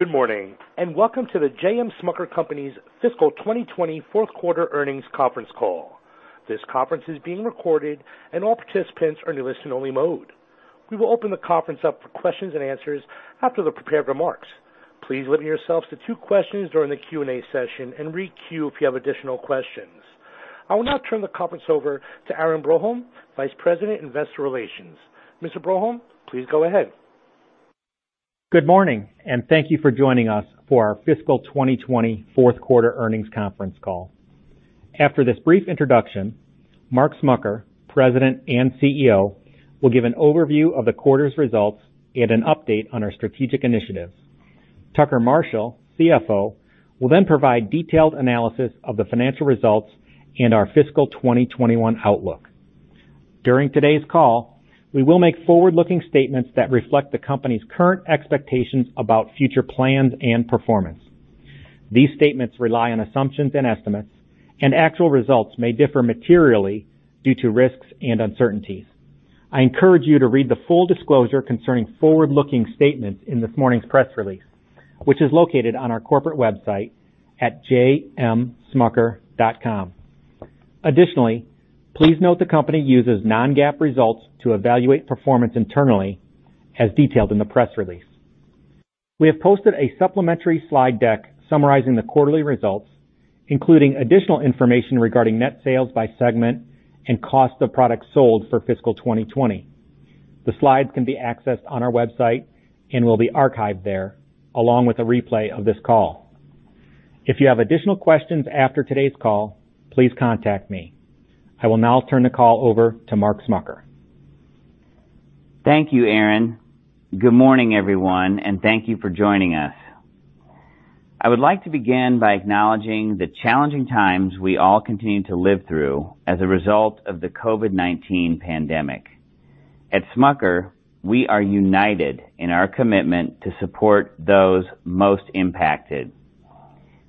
Good morning and welcome to the J.M. Smucker Company's fiscal 2020 Fourth Quarter Earnings Conference Call. This conference is being recorded and all participants are in a listen-only mode. We will open the conference up for questions and answers after the prepared remarks. Please limit yourselves to two questions during the Q&A session and re-queue if you have additional questions. I will now turn the conference over to Aaron Broholm, Vice President, Investor Relations. Mr. Broholm, please go ahead. Good morning and thank you for joining us for our fiscal 2020 fourth quarter earnings conference call. After this brief introduction, Mark Smucker, President and CEO, will give an overview of the quarter's results and an update on our strategic initiatives. Tucker Marshall, CFO, will then provide detailed analysis of the financial results and our fiscal 2021 outlook. During today's call, we will make forward-looking statements that reflect the company's current expectations about future plans and performance. These statements rely on assumptions and estimates, and actual results may differ materially due to risks and uncertainties. I encourage you to read the full disclosure concerning forward-looking statements in this morning's press release, which is located on our corporate website at jmsmucker.com. Additionally, please note the company uses non-GAAP results to evaluate performance internally, as detailed in the press release. We have posted a supplementary slide deck summarizing the quarterly results, including additional information regarding net sales by segment and cost of products sold for fiscal 2020. The slides can be accessed on our website and will be archived there, along with a replay of this call. If you have additional questions after today's call, please contact me. I will now turn the call over to Mark Smucker. Thank you, Aaron. Good morning, everyone, and thank you for joining us. I would like to begin by acknowledging the challenging times we all continue to live through as a result of the COVID-19 pandemic. At Smucker, we are united in our commitment to support those most impacted.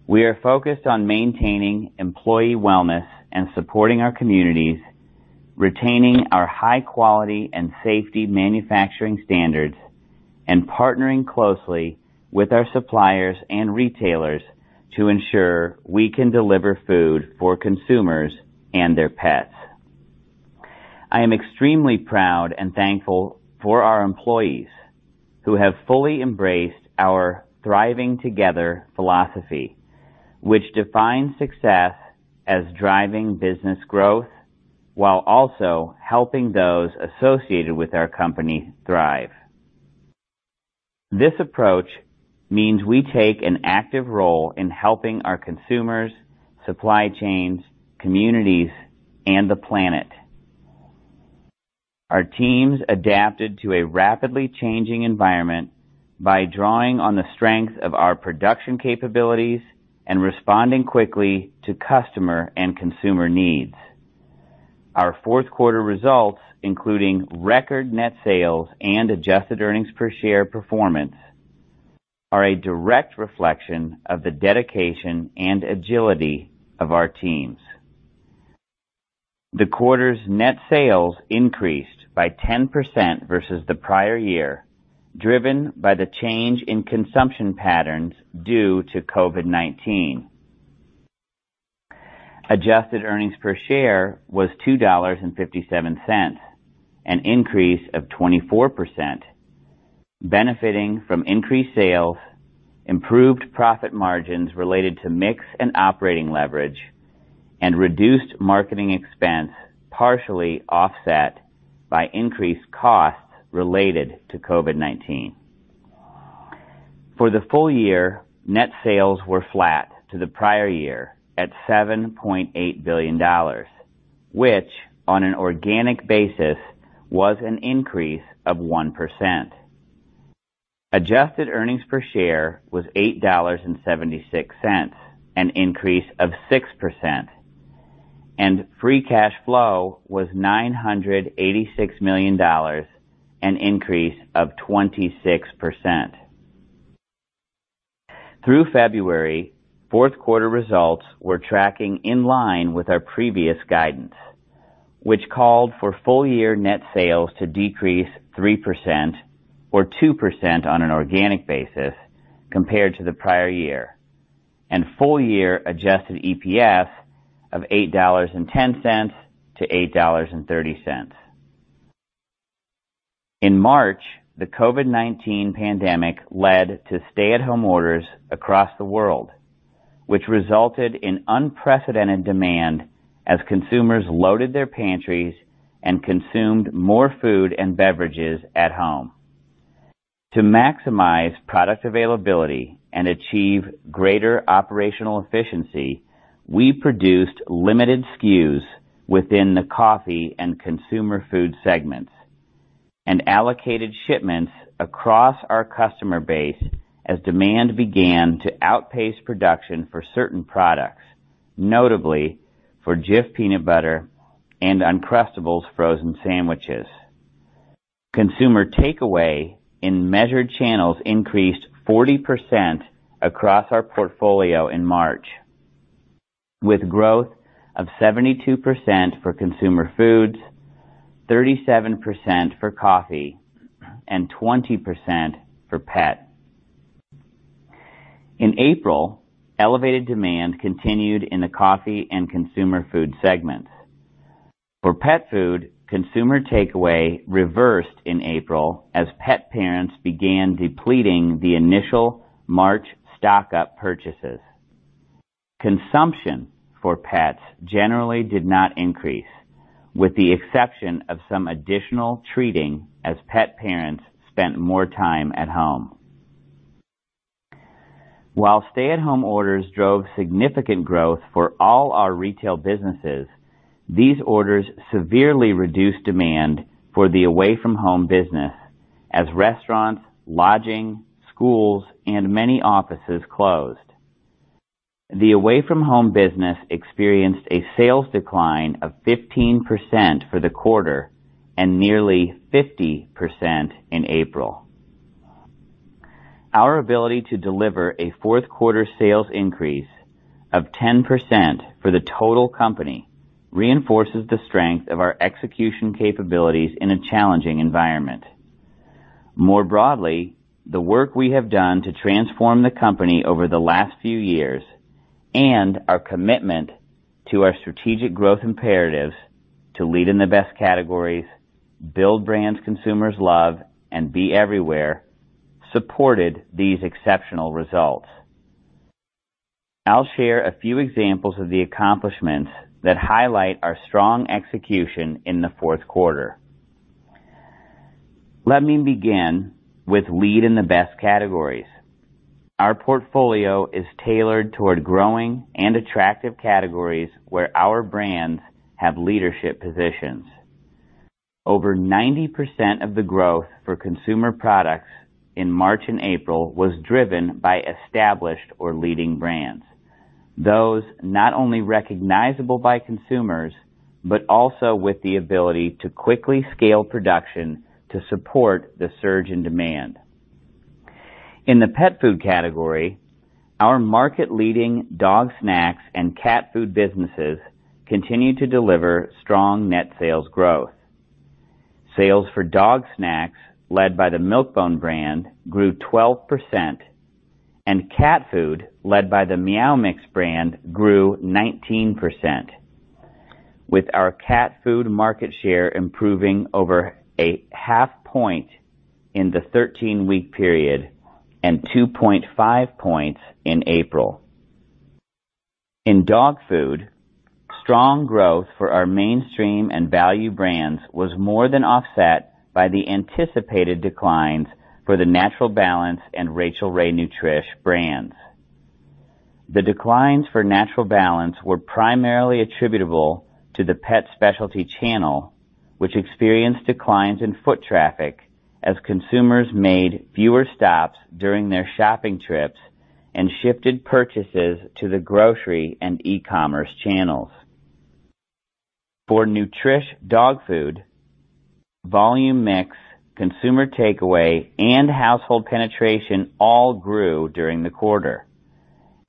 We are focused on maintaining employee wellness and supporting our communities, retaining our high-quality and safety manufacturing standards, and partnering closely with our suppliers and retailers to ensure we can deliver food for consumers and their pets. I am extremely proud and thankful for our employees who have fully embraced our thriving together philosophy, which defines success as driving business growth while also helping those associated with our company thrive. This approach means we take an active role in helping our consumers, supply chains, communities, and the planet. Our teams adapted to a rapidly changing environment by drawing on the strength of our production capabilities and responding quickly to customer and consumer needs. Our fourth quarter results, including record net sales and adjusted earnings per share performance, are a direct reflection of the dedication and agility of our teams. The quarter's net sales increased by 10% versus the prior year, driven by the change in consumption patterns due to COVID-19. Adjusted earnings per share was $2.57, an increase of 24%, benefiting from increased sales, improved profit margins related to mix and operating leverage, and reduced marketing expense partially offset by increased costs related to COVID-19. For the full year, net sales were flat to the prior year at $7.8 billion, which on an organic basis was an increase of 1%. Adjusted earnings per share was $8.76, an increase of 6%, and free cash flow was $986 million, an increase of 26%. Through February, fourth quarter results were tracking in line with our previous guidance, which called for full year net sales to decrease 3% or 2% on an organic basis compared to the prior year, and full year Adjusted EPS of $8.10-$8.30. In March, the COVID-19 pandemic led to stay-at-home orders across the world, which resulted in unprecedented demand as consumers loaded their pantries and consumed more food and beverages at home. To maximize product availability and achieve greater operational efficiency, we produced limited SKUs within the coffee and consumer food segments and allocated shipments across our customer base as demand began to outpace production for certain products, notably for Jif peanut butter and Uncrustables frozen sandwiches. Consumer takeaway in measured channels increased 40% across our portfolio in March, with growth of 72% for consumer foods, 37% for coffee, and 20% for pet. In April, elevated demand continued in the coffee and consumer food segments. For pet food, consumer takeaway reversed in April as pet parents began depleting the initial March stock-up purchases. Consumption for pets generally did not increase, with the exception of some additional treating as pet parents spent more time at home. While stay-at-home orders drove significant growth for all our retail businesses, these orders severely reduced demand for the away-from-home business as restaurants, lodging, schools, and many offices closed. The away-from-home business experienced a sales decline of 15% for the quarter and nearly 50% in April. Our ability to deliver a fourth quarter sales increase of 10% for the total company reinforces the strength of our execution capabilities in a challenging environment. More broadly, the work we have done to transform the company over the last few years and our commitment to our strategic growth imperatives to lead in the best categories, build brands consumers love, and be everywhere supported these exceptional results. I'll share a few examples of the accomplishments that highlight our strong execution in the fourth quarter. Let me begin with lead in the best categories. Our portfolio is tailored toward growing and attractive categories where our brands have leadership positions. Over 90% of the growth for consumer products in March and April was driven by established or leading brands, those not only recognizable by consumers but also with the ability to quickly scale production to support the surge in demand. In the pet food category, our market-leading dog snacks and cat food businesses continue to deliver strong net sales growth. Sales for dog snacks, led by the Milk-Bone brand, grew 12%, and cat food, led by the Meow Mix brand, grew 19%, with our cat food market share improving over a half point in the 13-week period and 2.5 points in April. In dog food, strong growth for our mainstream and value brands was more than offset by the anticipated declines for the Natural Balance and Rachael Ray Nutrish brands. The declines for Natural Balance were primarily attributable to the pet specialty channel, which experienced declines in foot traffic as consumers made fewer stops during their shopping trips and shifted purchases to the grocery and e-commerce channels. For Nutrish dog food, volume mix, consumer takeaway, and household penetration all grew during the quarter.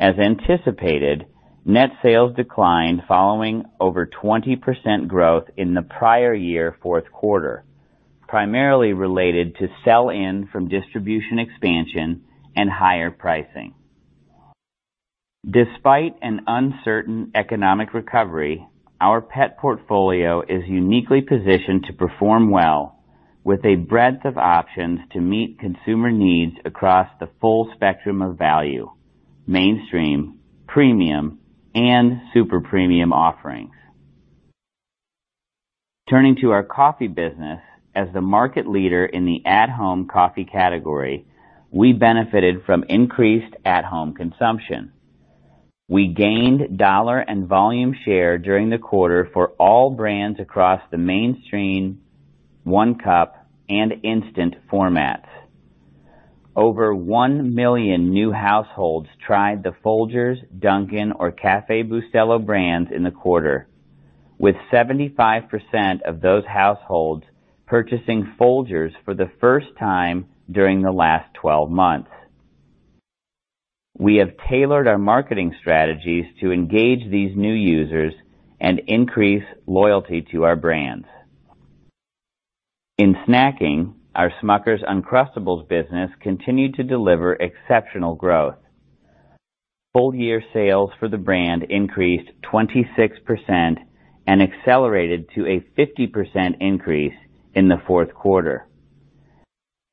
As anticipated, net sales declined following over 20% growth in the prior year fourth quarter, primarily related to sell-in from distribution expansion and higher pricing. Despite an uncertain economic recovery, our pet portfolio is uniquely positioned to perform well with a breadth of options to meet consumer needs across the full spectrum of value: mainstream, premium, and super premium offerings. Turning to our coffee business, as the market leader in the at-home coffee category, we benefited from increased at-home consumption. We gained dollar and volume share during the quarter for all brands across the mainstream, one-cup, and instant formats. Over 1 million new households tried the Folgers, Dunkin', or Café Bustelo brands in the quarter, with 75% of those households purchasing Folgers for the first time during the last 12 months. We have tailored our marketing strategies to engage these new users and increase loyalty to our brands. In snacking, our Smucker's Uncrustables business continued to deliver exceptional growth. Full year sales for the brand increased 26% and accelerated to a 50% increase in the fourth quarter.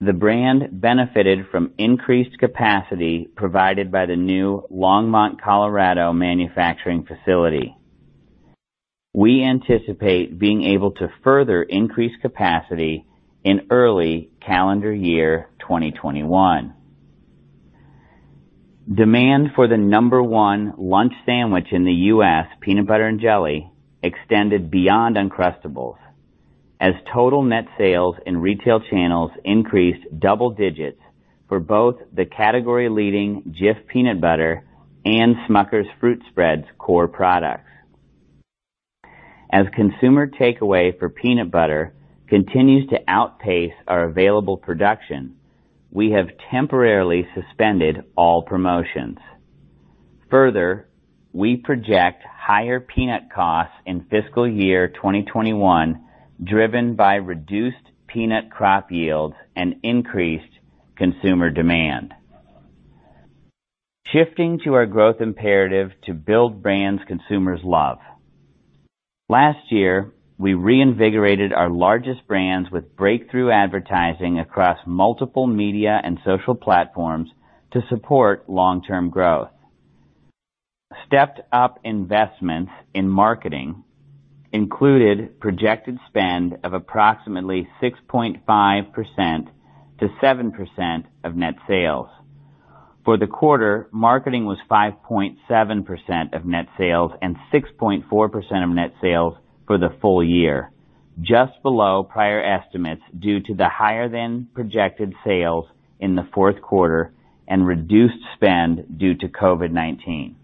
The brand benefited from increased capacity provided by the new Longmont, Colorado manufacturing facility. We anticipate being able to further increase capacity in early calendar year 2021. Demand for the number one lunch sandwich in the U.S., peanut butter and jelly, extended beyond Uncrustables as total net sales in retail channels increased double digits for both the category-leading Jif peanut butter and Smucker's Fruit Spreads core products. As consumer takeaway for peanut butter continues to outpace our available production, we have temporarily suspended all promotions. Further, we project higher peanut costs in fiscal year 2021, driven by reduced peanut crop yields and increased consumer demand. Shifting to our growth imperative to build brands consumers love. Last year, we reinvigorated our largest brands with breakthrough advertising across multiple media and social platforms to support long-term growth. Stepped-up investments in marketing included projected spend of approximately 6.5%-7% of net sales. For the quarter, marketing was 5.7% of net sales and 6.4% of net sales for the full year, just below prior estimates due to the higher-than-projected sales in the fourth quarter and reduced spend due to COVID-19.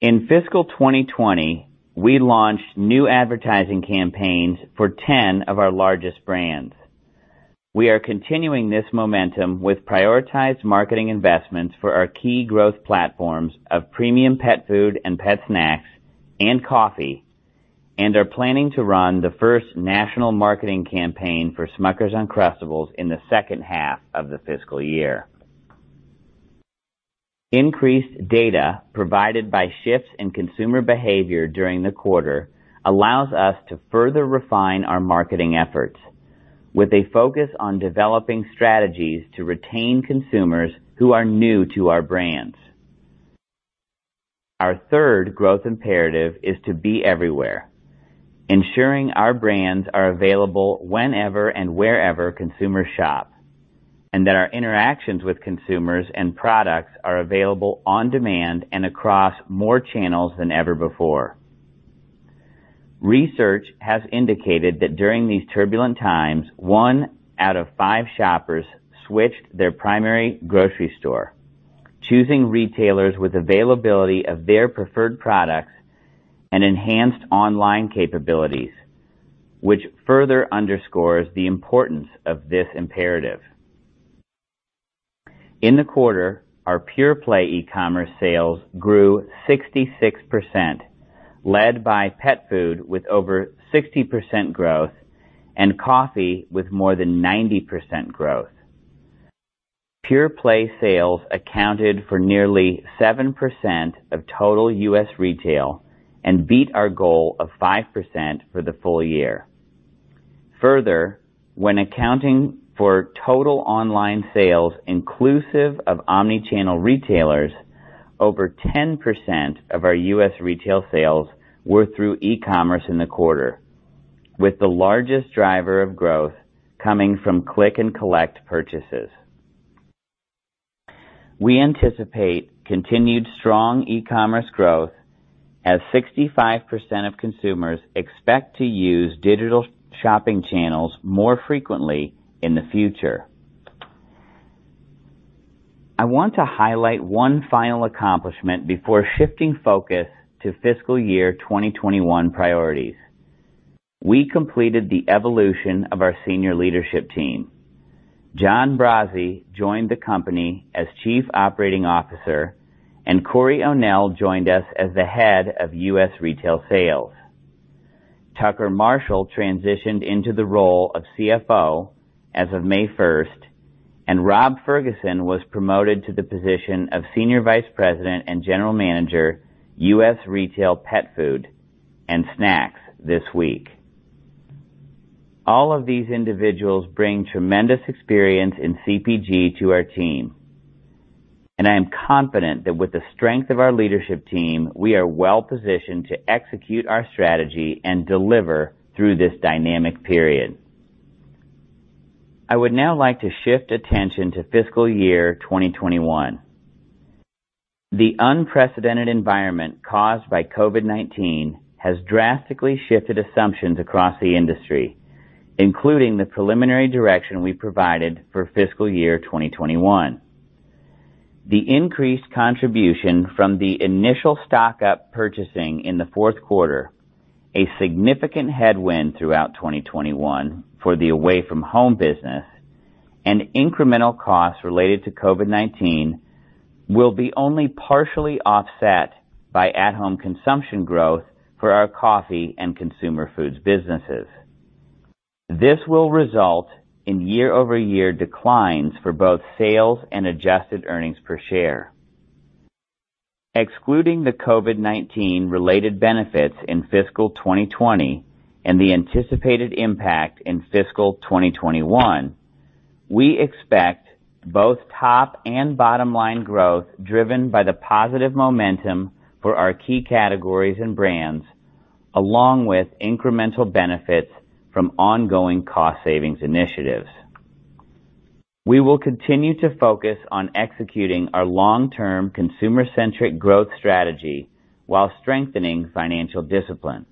In fiscal 2020, we launched new advertising campaigns for 10 of our largest brands. We are continuing this momentum with prioritized marketing investments for our key growth platforms of premium pet food and pet snacks and coffee, and are planning to run the first national marketing campaign for Smucker's Uncrustables in the second half of the fiscal year. Increased data provided by shifts in consumer behavior during the quarter allows us to further refine our marketing efforts, with a focus on developing strategies to retain consumers who are new to our brands. Our third growth imperative is to be everywhere, ensuring our brands are available whenever and wherever consumers shop, and that our interactions with consumers and products are available on demand and across more channels than ever before. Research has indicated that during these turbulent times, one out of five shoppers switched their primary grocery store, choosing retailers with availability of their preferred products and enhanced online capabilities, which further underscores the importance of this imperative. In the quarter, our pure-play e-commerce sales grew 66%, led by pet food with over 60% growth and coffee with more than 90% growth. Pure-play sales accounted for nearly 7% of total U.S. retail and beat our goal of 5% for the full year. Further, when accounting for total online sales inclusive of omnichannel retailers, over 10% of our U.S. retail sales were through e-commerce in the quarter, with the largest driver of growth coming from click-and-collect purchases. We anticipate continued strong e-commerce growth as 65% of consumers expect to use digital shopping channels more frequently in the future. I want to highlight one final accomplishment before shifting focus to fiscal year 2021 priorities. We completed the evolution of our senior leadership team. John Brase joined the company as Chief Operating Officer, and Cory Onell joined us as the head of U.S. retail sales. Tucker Marshall transitioned into the role of CFO as of May 1st, and Rob Ferguson was promoted to the position of Senior Vice President and General Manager, U.S. retail pet food and snacks this week. All of these individuals bring tremendous experience in CPG to our team, and I am confident that with the strength of our leadership team, we are well positioned to execute our strategy and deliver through this dynamic period. I would now like to shift attention to fiscal year 2021. The unprecedented environment caused by COVID-19 has drastically shifted assumptions across the industry, including the preliminary direction we provided for fiscal year 2021. The increased contribution from the initial stock-up purchasing in the fourth quarter, a significant headwind throughout 2021 for the away-from-home business, and incremental costs related to COVID-19 will be only partially offset by at-home consumption growth for our coffee and consumer foods businesses. This will result in year-over-year declines for both sales and adjusted earnings per share. Excluding the COVID-19-related benefits in fiscal 2020 and the anticipated impact in fiscal 2021, we expect both top and bottom-line growth driven by the positive momentum for our key categories and brands, along with incremental benefits from ongoing cost-savings initiatives. We will continue to focus on executing our long-term consumer-centric growth strategy while strengthening financial discipline.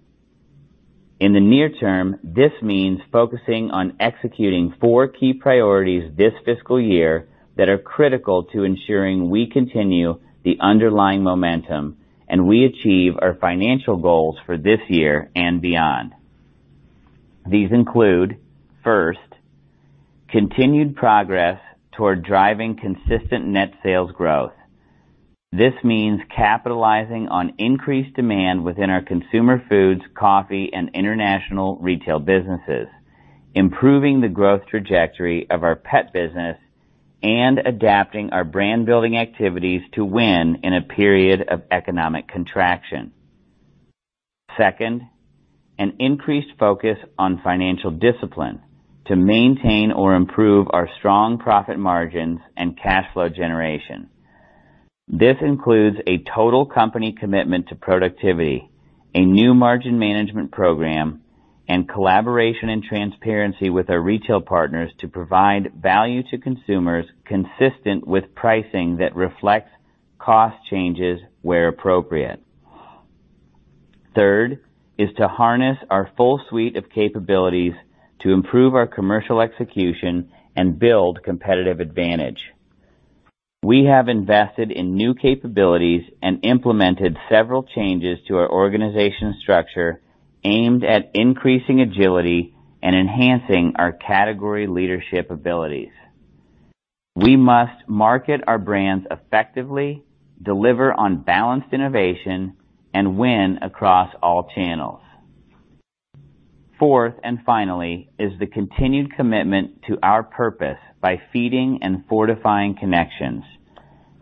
In the near term, this means focusing on executing four key priorities this fiscal year that are critical to ensuring we continue the underlying momentum and we achieve our financial goals for this year and beyond. These include, first, continued progress toward driving consistent net sales growth. This means capitalizing on increased demand within our consumer foods, coffee, and international retail businesses, improving the growth trajectory of our pet business, and adapting our brand-building activities to win in a period of economic contraction. Second, an increased focus on financial discipline to maintain or improve our strong profit margins and cash flow generation. This includes a total company commitment to productivity, a new margin management program, and collaboration and transparency with our retail partners to provide value to consumers consistent with pricing that reflects cost changes where appropriate. Third is to harness our full suite of capabilities to improve our commercial execution and build competitive advantage. We have invested in new capabilities and implemented several changes to our organization structure aimed at increasing agility and enhancing our category leadership abilities. We must market our brands effectively, deliver on balanced innovation, and win across all channels. Fourth and finally is the continued commitment to our purpose by feeding and fortifying connections.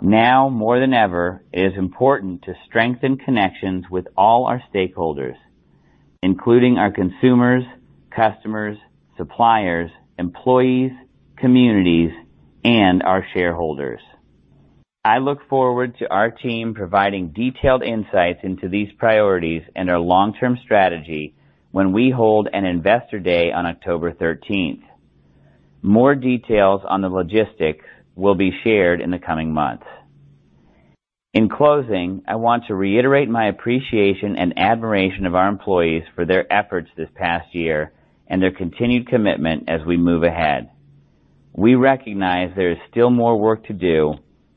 Now more than ever, it is important to strengthen connections with all our stakeholders, including our consumers, customers, suppliers, employees, communities, and our shareholders. I look forward to our team providing detailed insights into these priorities and our long-term strategy when we hold an investor day on October 13th. More details on the logistics will be shared in the coming months. In closing, I want to reiterate my appreciation and admiration of our employees for their efforts this past year and their continued commitment as we move ahead. We recognize there is still more work to do,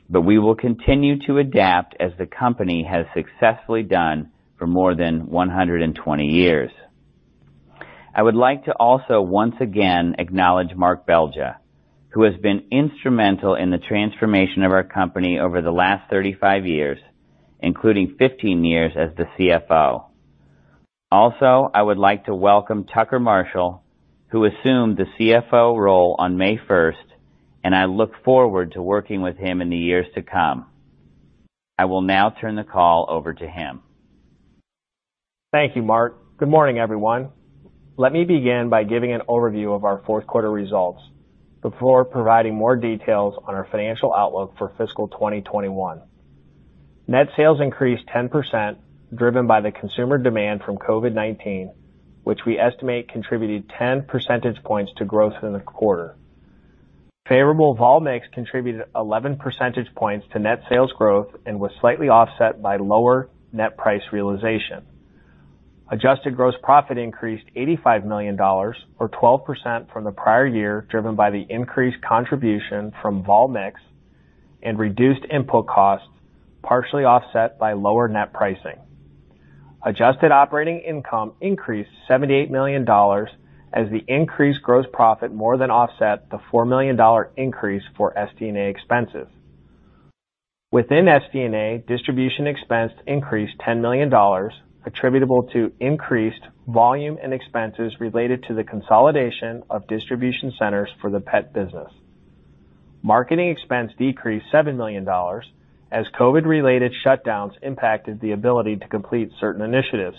but we will continue to adapt as the company has successfully done for more than 120 years. I would like to also once again acknowledge Mark Belgya, who has been instrumental in the transformation of our company over the last 35 years, including 15 years as the CFO. Also, I would like to welcome Tucker Marshall, who assumed the CFO role on May 1st, and I look forward to working with him in the years to come. I will now turn the call over to him. Thank you, Mark. Good morning, everyone. Let me begin by giving an overview of our fourth quarter results before providing more details on our financial outlook for fiscal 2021. Net sales increased 10%, driven by the consumer demand from COVID-19, which we estimate contributed 10 percentage points to growth in the quarter. Favorable vol mix contributed 11 percentage points to net sales growth and was slightly offset by lower net price realization. Adjusted gross profit increased $85 million, or 12% from the prior year, driven by the increased contribution from vol mix and reduced input costs, partially offset by lower net pricing. Adjusted operating income increased $78 million as the increased gross profit more than offset the $4 million increase for SD&A expenses. Within SD&A, distribution expense increased $10 million, attributable to increased volume and expenses related to the consolidation of distribution centers for the pet business. Marketing expense decreased $7 million as COVID-related shutdowns impacted the ability to complete certain initiatives.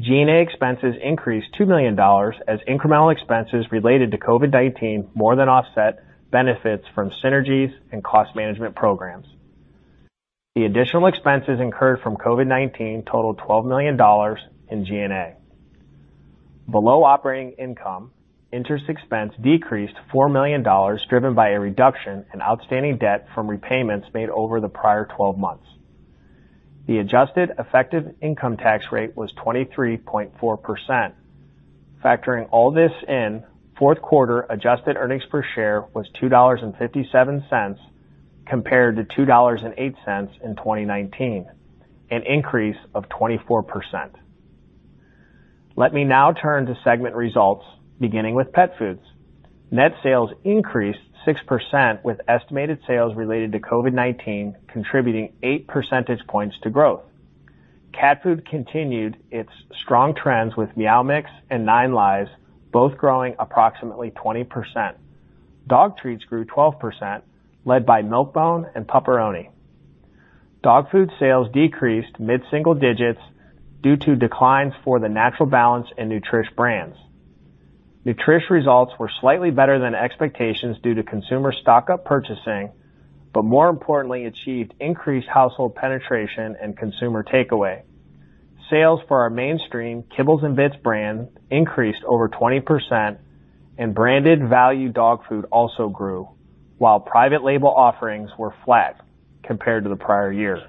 G&A expenses increased $2 million as incremental expenses related to COVID-19 more than offset benefits from synergies and cost management programs. The additional expenses incurred from COVID-19 totaled $12 million in G&A. Below operating income, interest expense decreased $4 million, driven by a reduction in outstanding debt from repayments made over the prior 12 months. The adjusted effective income tax rate was 23.4%. Factoring all this in, fourth quarter adjusted earnings per share was $2.57 compared to $2.08 in 2019, an increase of 24%. Let me now turn to segment results, beginning with pet foods. Net sales increased 6% with estimated sales related to COVID-19 contributing 8 percentage points to growth. Cat food continued its strong trends with Meow Mix and 9Lives, both growing approximately 20%. Dog treats grew 12%, led by Milk-Bone and Pup-peroni. Dog food sales decreased mid-single digits due to declines for the Natural Balance and Nutrish brands. Nutrish results were slightly better than expectations due to consumer stock-up purchasing, but more importantly, achieved increased household penetration and consumer takeaway. Sales for our mainstream Kibbles 'n Bits brand increased over 20%, and branded value dog food also grew, while private label offerings were flat compared to the prior year.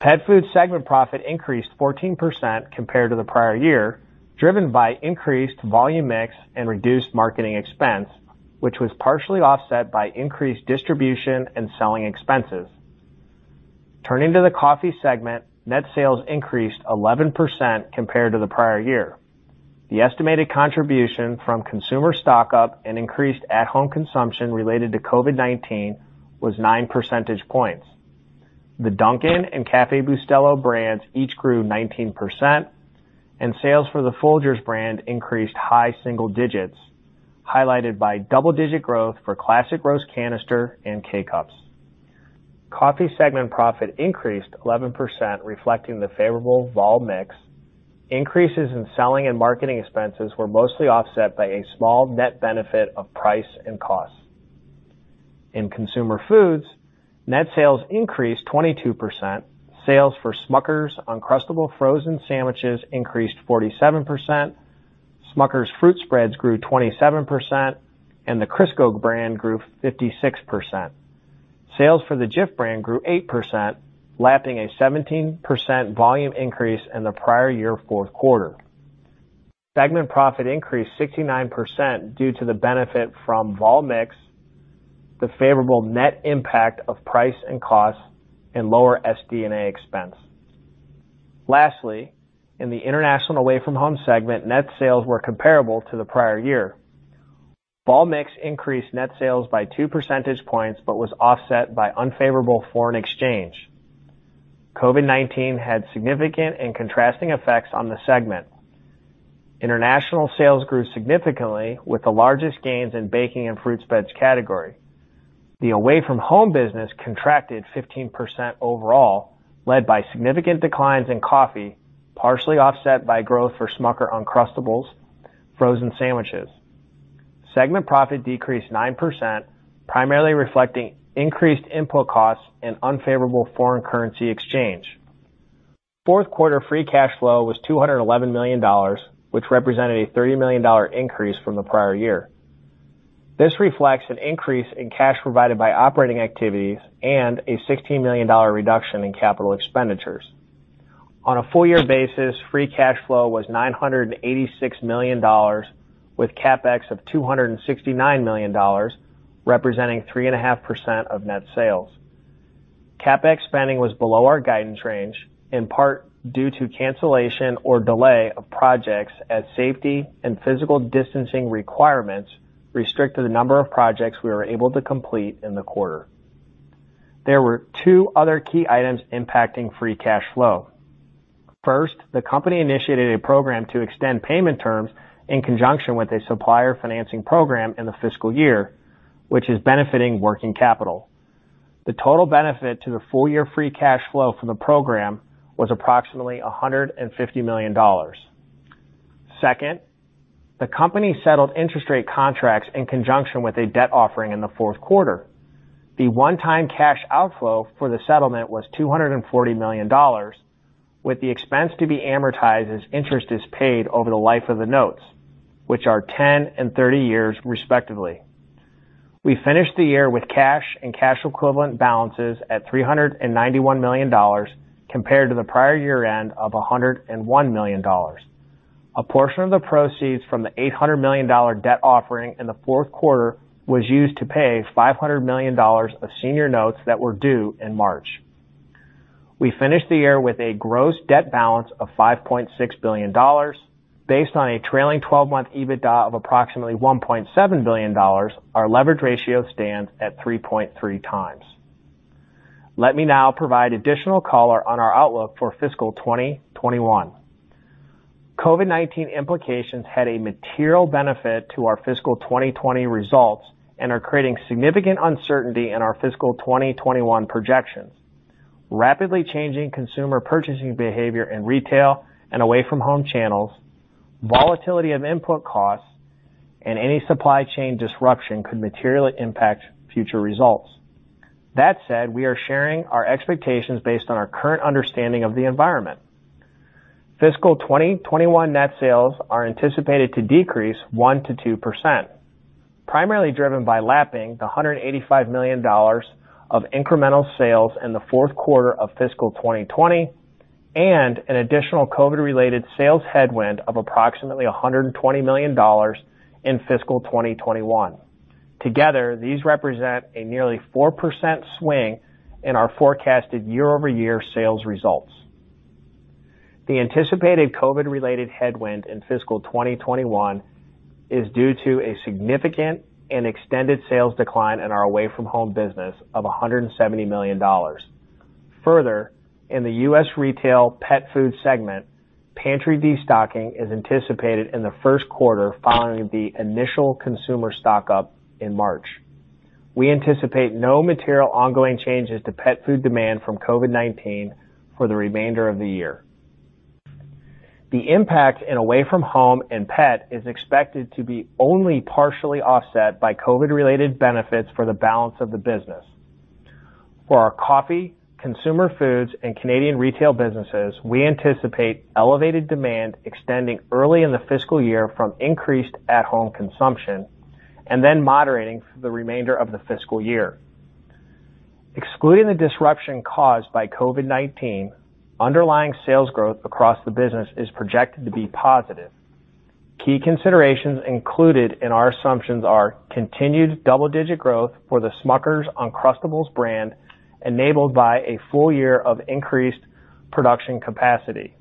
Pet food segment profit increased 14% compared to the prior year, driven by increased volume mix and reduced marketing expense, which was partially offset by increased distribution and selling expenses. Turning to the coffee segment, net sales increased 11% compared to the prior year. The estimated contribution from consumer stock-up and increased at-home consumption related to COVID-19 was 9 percentage points. The Dunkin' and Café Bustelo brands each grew 19%, and sales for the Folgers brand increased high single digits, highlighted by double-digit growth for Classic Roast Canister and K-Cups. Coffee segment profit increased 11%, reflecting the favorable vol mix. Increases in selling and marketing expenses were mostly offset by a small net benefit of price and cost. In consumer foods, net sales increased 22%. Sales for Smucker's Uncrustables Frozen Sandwiches increased 47%. Smucker's Fruit Spreads grew 27%, and the Crisco brand grew 56%. Sales for the Jif brand grew 8%, lapping a 17% volume increase in the prior year fourth quarter. Segment profit increased 69% due to the benefit from vol mix, the favorable net impact of price and costs, and lower SD&A expense. Lastly, in the international away-from-home segment, net sales were comparable to the prior year. Vol mix increased net sales by two percentage points but was offset by unfavorable foreign exchange. COVID-19 had significant and contrasting effects on the segment. International sales grew significantly, with the largest gains in baking and fruit spreads category. The away-from-home business contracted 15% overall, led by significant declines in coffee, partially offset by growth for Smucker's Uncrustables Frozen Sandwiches. Segment profit decreased 9%, primarily reflecting increased input costs and unfavorable foreign currency exchange. Fourth quarter free cash flow was $211 million, which represented a $30 million increase from the prior year. This reflects an increase in cash provided by operating activities and a $16 million reduction in capital expenditures. On a full-year basis, free cash flow was $986 million, with CapEx of $269 million, representing 3.5% of net sales. CapEx spending was below our guidance range, in part due to cancellation or delay of projects as safety and physical distancing requirements restricted the number of projects we were able to complete in the quarter. There were two other key items impacting free cash flow. First, the company initiated a program to extend payment terms in conjunction with a supplier financing program in the fiscal year, which is benefiting working capital. The total benefit to the full-year free cash flow from the program was approximately $150 million. Second, the company settled interest rate contracts in conjunction with a debt offering in the fourth quarter. The one-time cash outflow for the settlement was $240 million, with the expense to be amortized as interest is paid over the life of the notes, which are 10 and 30 years, respectively. We finished the year with cash and cash equivalent balances at $391 million compared to the prior year-end of $101 million. A portion of the proceeds from the $800 million debt offering in the fourth quarter was used to pay $500 million of senior notes that were due in March. We finished the year with a gross debt balance of $5.6 billion. Based on a trailing 12-month EBITDA of approximately $1.7 billion, our leverage ratio stands at 3.3 times. Let me now provide additional color on our outlook for fiscal 2021. COVID-19 implications had a material benefit to our fiscal 2020 results and are creating significant uncertainty in our fiscal 2021 projections. Rapidly changing consumer purchasing behavior in retail and away-from-home channels, volatility of input costs, and any supply chain disruption could materially impact future results. That said, we are sharing our expectations based on our current understanding of the environment. Fiscal 2021 net sales are anticipated to decrease 1%-2%, primarily driven by lapping the $185 million of incremental sales in the fourth quarter of fiscal 2020 and an additional COVID-related sales headwind of approximately $120 million in fiscal 2021. Together, these represent a nearly 4% swing in our forecasted year-over-year sales results. The anticipated COVID-related headwind in fiscal 2021 is due to a significant and extended sales decline in our away-from-home business of $170 million. Further, in the U.S. retail pet food segment, pantry destocking is anticipated in the first quarter following the initial consumer stock-up in March. We anticipate no material ongoing changes to pet food demand from COVID-19 for the remainder of the year. The impact in away-from-home and pet is expected to be only partially offset by COVID-related benefits for the balance of the business. For our coffee, consumer foods, and Canadian retail businesses, we anticipate elevated demand extending early in the fiscal year from increased at-home consumption and then moderating for the remainder of the fiscal year. Excluding the disruption caused by COVID-19, underlying sales growth across the business is projected to be positive. Key considerations included in our assumptions are continued double-digit growth for the Smucker's Uncrustables brand, enabled by a full year of increased production capacity,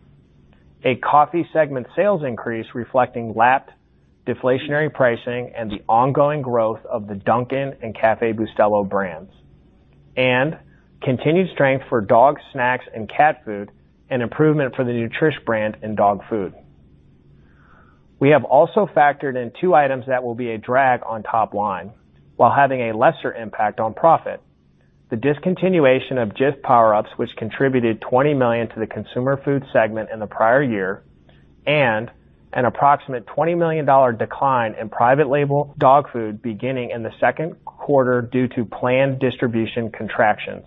a coffee segment sales increase reflecting lapped deflationary pricing and the ongoing growth of the Dunkin' and Café Bustelo brands, and continued strength for dog snacks and cat food and improvement for the Nutrish brand and dog food. We have also factored in two items that will be a drag on top line, while having a lesser impact on profit: the discontinuation of Jif Power Ups, which contributed $20 million to the consumer food segment in the prior year, and an approximate $20 million decline in private label dog food beginning in the second quarter due to planned distribution contractions.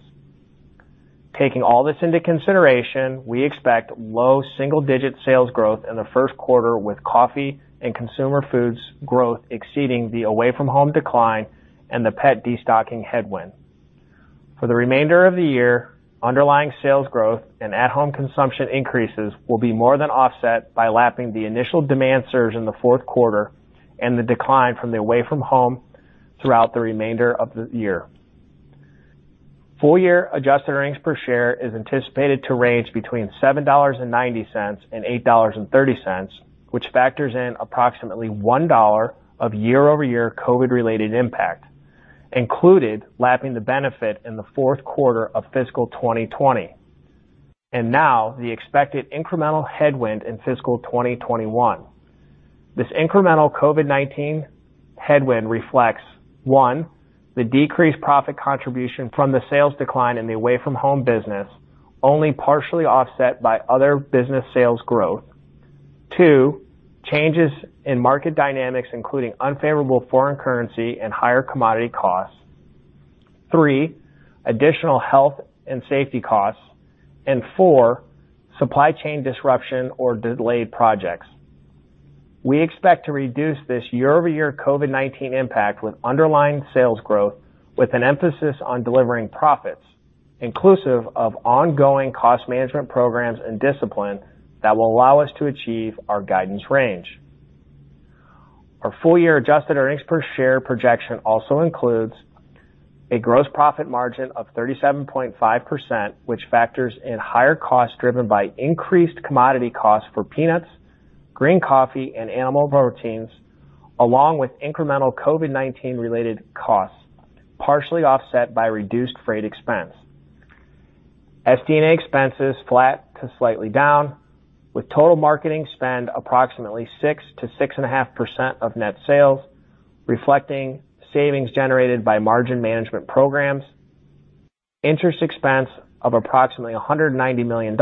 Taking all this into consideration, we expect low single-digit sales growth in the first quarter, with coffee and consumer foods growth exceeding the away-from-home decline and the pet destocking headwind. For the remainder of the year, underlying sales growth and at-home consumption increases will be more than offset by lapping the initial demand surge in the fourth quarter and the decline from the away-from-home throughout the remainder of the year. Full-year adjusted earnings per share is anticipated to range between $7.90 and $8.30, which factors in approximately $1 of year-over-year COVID-related impact, including lapping the benefit in the fourth quarter of fiscal 2020, and now, the expected incremental headwind in fiscal 2021. This incremental COVID-19 headwind reflects one, the decreased profit contribution from the sales decline in the away-from-home business, only partially offset by other business sales growth, two, changes in market dynamics, including unfavorable foreign currency and higher commodity costs, three, additional health and safety costs, and four, supply chain disruption or delayed projects. We expect to reduce this year-over-year COVID-19 impact with underlying sales growth, with an emphasis on delivering profits, inclusive of ongoing cost management programs and discipline that will allow us to achieve our guidance range. Our full-year adjusted earnings per share projection also includes a gross profit margin of 37.5%, which factors in higher costs driven by increased commodity costs for peanuts, green coffee, and animal proteins, along with incremental COVID-19-related costs, partially offset by reduced freight expense. SG&A expenses flat to slightly down, with total marketing spend approximately 6%-6.5% of net sales, reflecting savings generated by margin management programs, interest expense of approximately $190 million,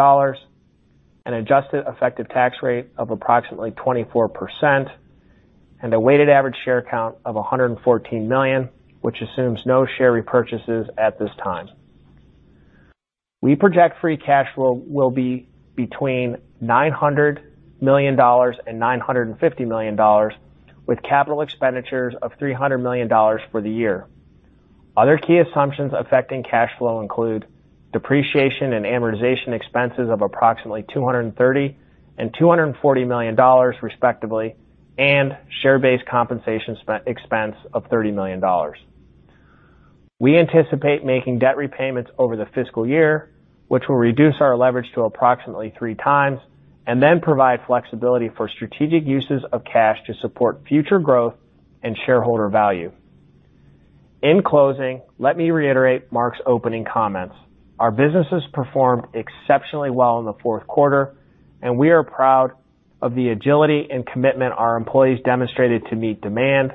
an adjusted effective tax rate of approximately 24%, and a weighted average share count of 114 million, which assumes no share repurchases at this time. We project free cash flow will be between $900 million and $950 million, with capital expenditures of $300 million for the year. Other key assumptions affecting cash flow include depreciation and amortization expenses of approximately $230 and $240 million, respectively, and share-based compensation expense of $30 million. We anticipate making debt repayments over the fiscal year, which will reduce our leverage to approximately three times and then provide flexibility for strategic uses of cash to support future growth and shareholder value. In closing, let me reiterate Mark's opening comments. Our businesses performed exceptionally well in the fourth quarter, and we are proud of the agility and commitment our employees demonstrated to meet demand.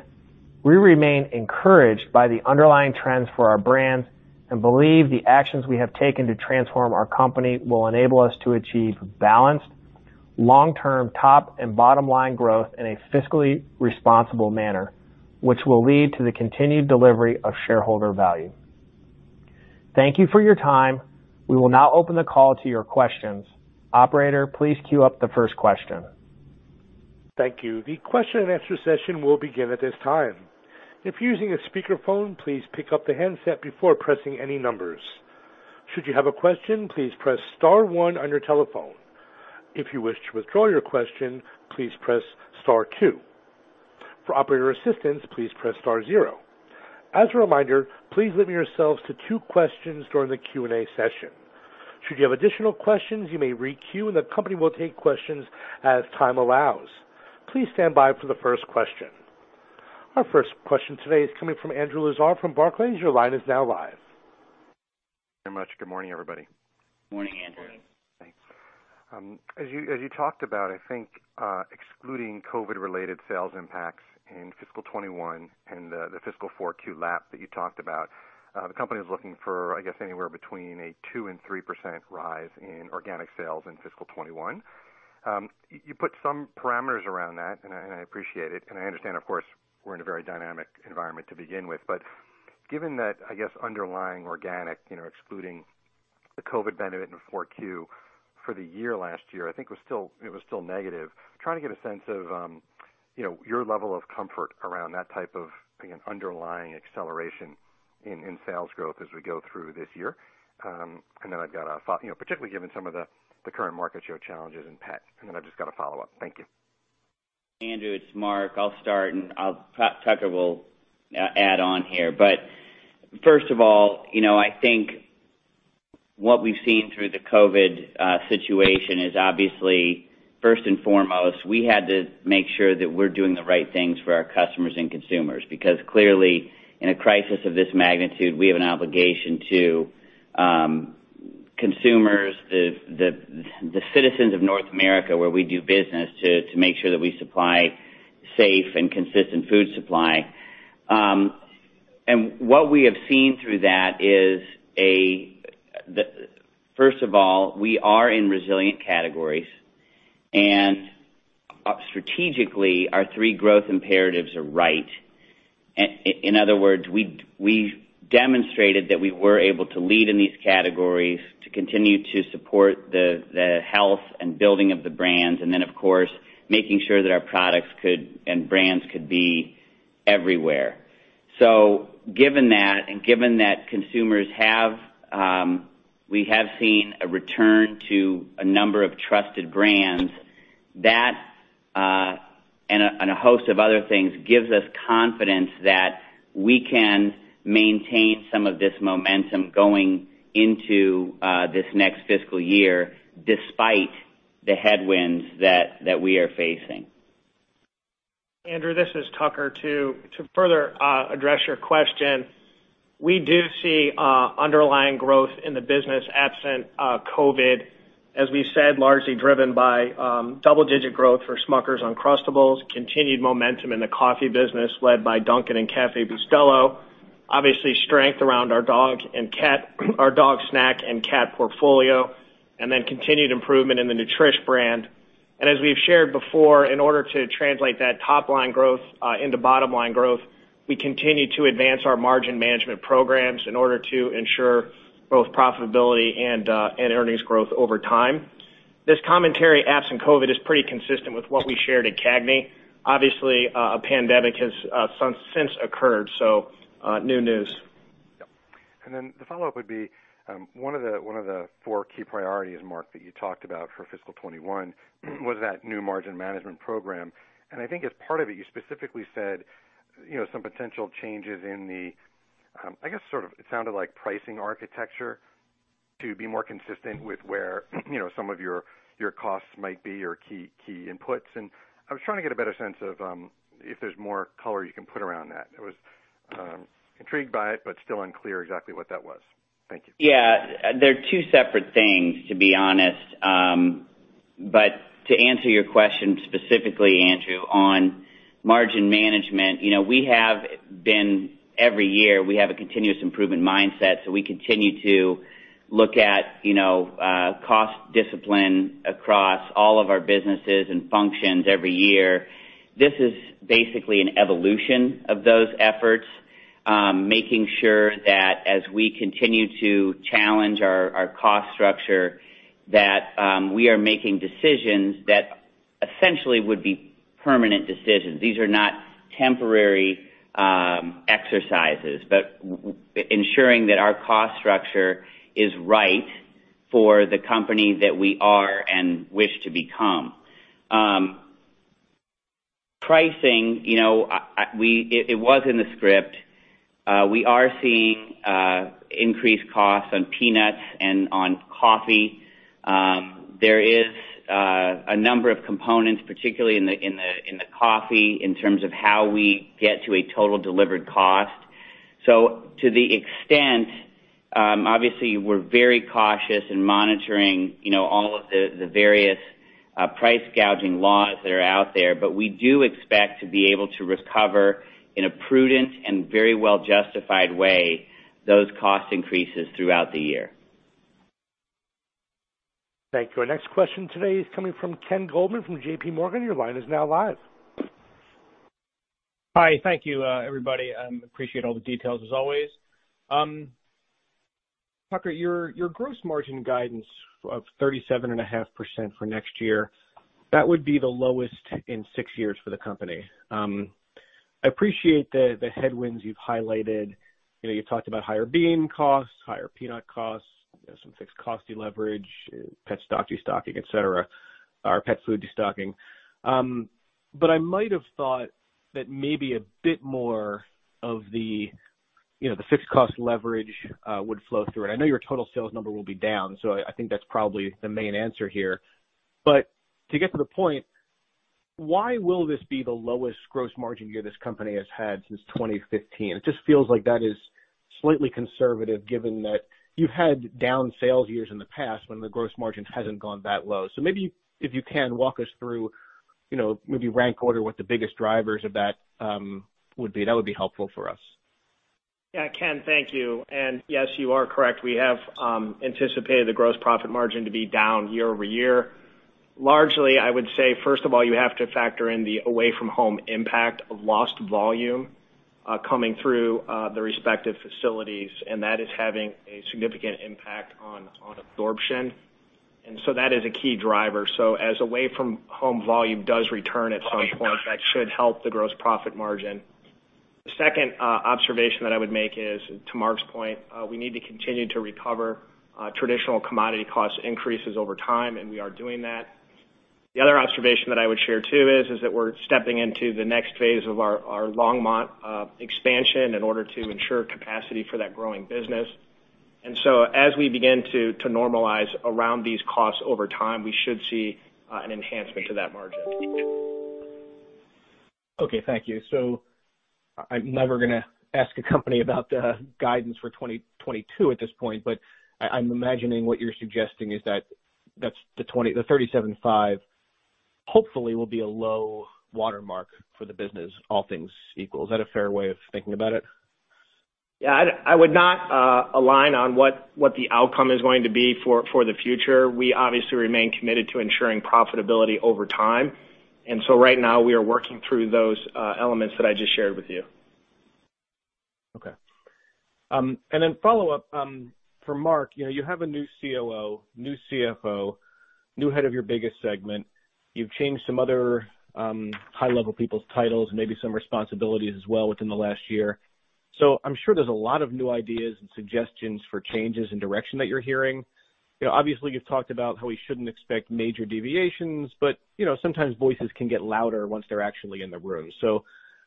We remain encouraged by the underlying trends for our brand and believe the actions we have taken to transform our company will enable us to achieve balanced, long-term top and bottom-line growth in a fiscally responsible manner, which will lead to the continued delivery of shareholder value. Thank you for your time. We will now open the call to your questions. Operator, please queue up the first question. Thank you. The question and answer session will begin at this time. If you're using a speakerphone, please pick up the handset before pressing any numbers. Should you have a question, please press star one on your telephone. If you wish to withdraw your question, please press star two. For operator assistance, please press star zero. As a reminder, please limit yourselves to two questions during the Q&A session. Should you have additional questions, you may re-queue, and the company will take questions as time allows. Please stand by for the first question. Our first question today is coming from Andrew Lazar from Barclays. Your line is now live. Thank you very much. Good morning, everybody. Good morning, Andrew. Thanks. As you talked about, I think excluding COVID-related sales impacts in fiscal 2021 and the fiscal 4Q lap that you talked about, the company is looking for, I guess, anywhere between a 2% and 3% rise in organic sales in fiscal 2021. You put some parameters around that, and I appreciate it, and I understand, of course, we're in a very dynamic environment to begin with, but given that, I guess, underlying organic, excluding the COVID benefit in 4Q for the year last year, I think it was still negative, trying to get a sense of your level of comfort around that type of, again, underlying acceleration in sales growth as we go through this year, and then I've got a follow-up, particularly given some of the current market share challenges in pet, and then I've just got a follow-up. Thank you. Andrew. It's Mark. I'll start, and Tucker will add on here, but first of all, I think what we've seen through the COVID situation is, obviously, first and foremost, we had to make sure that we're doing the right things for our customers and consumers. Because clearly, in a crisis of this magnitude, we have an obligation to consumers, the citizens of North America where we do business, to make sure that we supply safe and consistent food supply, and what we have seen through that is, first of all, we are in resilient categories, and strategically, our three growth imperatives are right. In other words, we demonstrated that we were able to lead in these categories, to continue to support the health and building of the brands, and then, of course, making sure that our products and brands could be everywhere. So given that, and given that consumers have, we have seen a return to a number of trusted brands, that, and a host of other things, gives us confidence that we can maintain some of this momentum going into this next fiscal year despite the headwinds that we are facing. Andrew, this is Tucker too. To further address your question, we do see underlying growth in the business absent COVID, as we said, largely driven by double-digit growth for Smucker's Uncrustables, continued momentum in the coffee business led by Dunkin' and Café Bustelo, obviously strength around our dog and cat, our dog snack and cat portfolio, and then continued improvement in the Nutrish brand. And as we've shared before, in order to translate that top-line growth into bottom-line growth, we continue to advance our margin management programs in order to ensure both profitability and earnings growth over time. This commentary absent COVID is pretty consistent with what we shared at CAGNY. Obviously, a pandemic has since occurred, so new news. Yep, and then the follow-up would be one of the four key priorities, Mark, that you talked about for fiscal 2021 was that new margin management program, and I think as part of it, you specifically said some potential changes in the, I guess, sort of it sounded like pricing architecture to be more consistent with where some of your costs might be or key inputs, and I was trying to get a better sense of if there's more color you can put around that. I was intrigued by it, but still unclear exactly what that was. Thank you. Yeah. They're two separate things, to be honest, but to answer your question specifically, Andrew, on margin management, we have been every year, we have a continuous improvement mindset. So we continue to look at cost discipline across all of our businesses and functions every year. This is basically an evolution of those efforts, making sure that as we continue to challenge our cost structure, that we are making decisions that essentially would be permanent decisions. These are not temporary exercises, but ensuring that our cost structure is right for the company that we are and wish to become. Pricing, it was in the script. We are seeing increased costs on peanuts and on coffee. There is a number of components, particularly in the coffee, in terms of how we get to a total delivered cost. So to the extent, obviously, we're very cautious in monitoring all of the various price gouging laws that are out there, but we do expect to be able to recover in a prudent and very well-justified way those cost increases throughout the year. Thank you. Our next question today is coming from Ken Goldman from JPMorgan. Your line is now live. Hi. Thank you, everybody. I appreciate all the details as always. Tucker, your gross margin guidance of 37.5% for next year, that would be the lowest in six years for the company. I appreciate the headwinds you've highlighted. You talked about higher bean costs, higher peanut costs, some fixed cost leverage, pet stock destocking, etc., or pet food destocking. But I might have thought that maybe a bit more of the fixed cost leverage would flow through it. I know your total sales number will be down, so I think that's probably the main answer here. But to get to the point, why will this be the lowest gross margin year this company has had since 2015? It just feels like that is slightly conservative given that you've had down sales years in the past when the gross margin hasn't gone that low, so maybe if you can walk us through, maybe rank order what the biggest drivers of that would be, that would be helpful for us. Yeah. Ken, thank you and yes, you are correct. We have anticipated the gross profit margin to be down year over year. Largely, I would say, first of all, you have to factor in the away-from-home impact of lost volume coming through the respective facilities, and that is having a significant impact on absorption, and so that is a key driver, so as away-from-home volume does return at some point, that should help the gross profit margin. The second observation that I would make is, to Mark's point, we need to continue to recover traditional commodity cost increases over time, and we are doing that. The other observation that I would share too is that we're stepping into the next phase of our Longmont expansion in order to ensure capacity for that growing business, and so as we begin to normalize around these costs over time, we should see an enhancement to that margin. Okay. Thank you, so I'm never going to ask a company about guidance for 2022 at this point, but I'm imagining what you're suggesting is that the 37.5 hopefully will be a low watermark for the business, all things equal. Is that a fair way of thinking about it? Yeah. I would not align on what the outcome is going to be for the future. We obviously remain committed to ensuring profitability over time. And so right now, we are working through those elements that I just shared with you. Okay. And then follow-up for Mark, you have a new COO, new CFO, new head of your biggest segment. You've changed some other high-level people's titles, maybe some responsibilities as well within the last year. So I'm sure there's a lot of new ideas and suggestions for changes in direction that you're hearing. Obviously, you've talked about how we shouldn't expect major deviations, but sometimes voices can get louder once they're actually in the room. So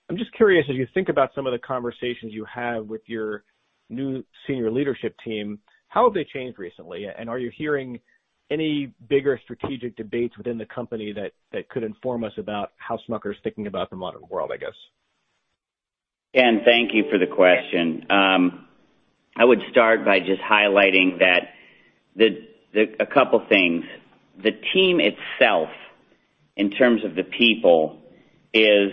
I'm just curious, as you think about some of the conversations you have with your new senior leadership team, how have they changed recently? And are you hearing any bigger strategic debates within the company that could inform us about how Smucker's thinking about the modern world, I guess? Ken, thank you for the question. I would start by just highlighting a couple of things. The team itself, in terms of the people, is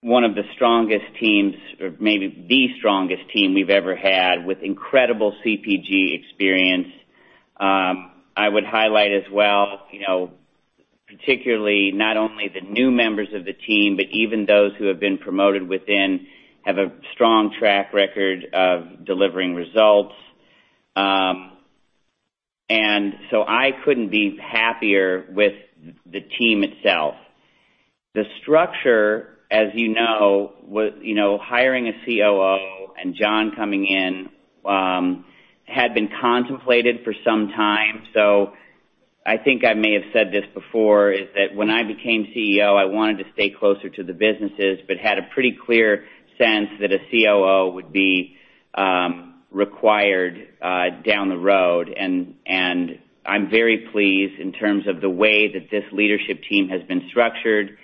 one of the strongest teams, or maybe the strongest team we've ever had, with incredible CPG experience. I would highlight as well, particularly not only the new members of the team, but even those who have been promoted within have a strong track record of delivering results. And so I couldn't be happier with the team itself. The structure, as you know, hiring a COO and John coming in had been contemplated for some time. So I think I may have said this before, is that when I became CEO, I wanted to stay closer to the businesses but had a pretty clear sense that a COO would be required down the road. And I'm very pleased in terms of the way that this leadership team has been structured.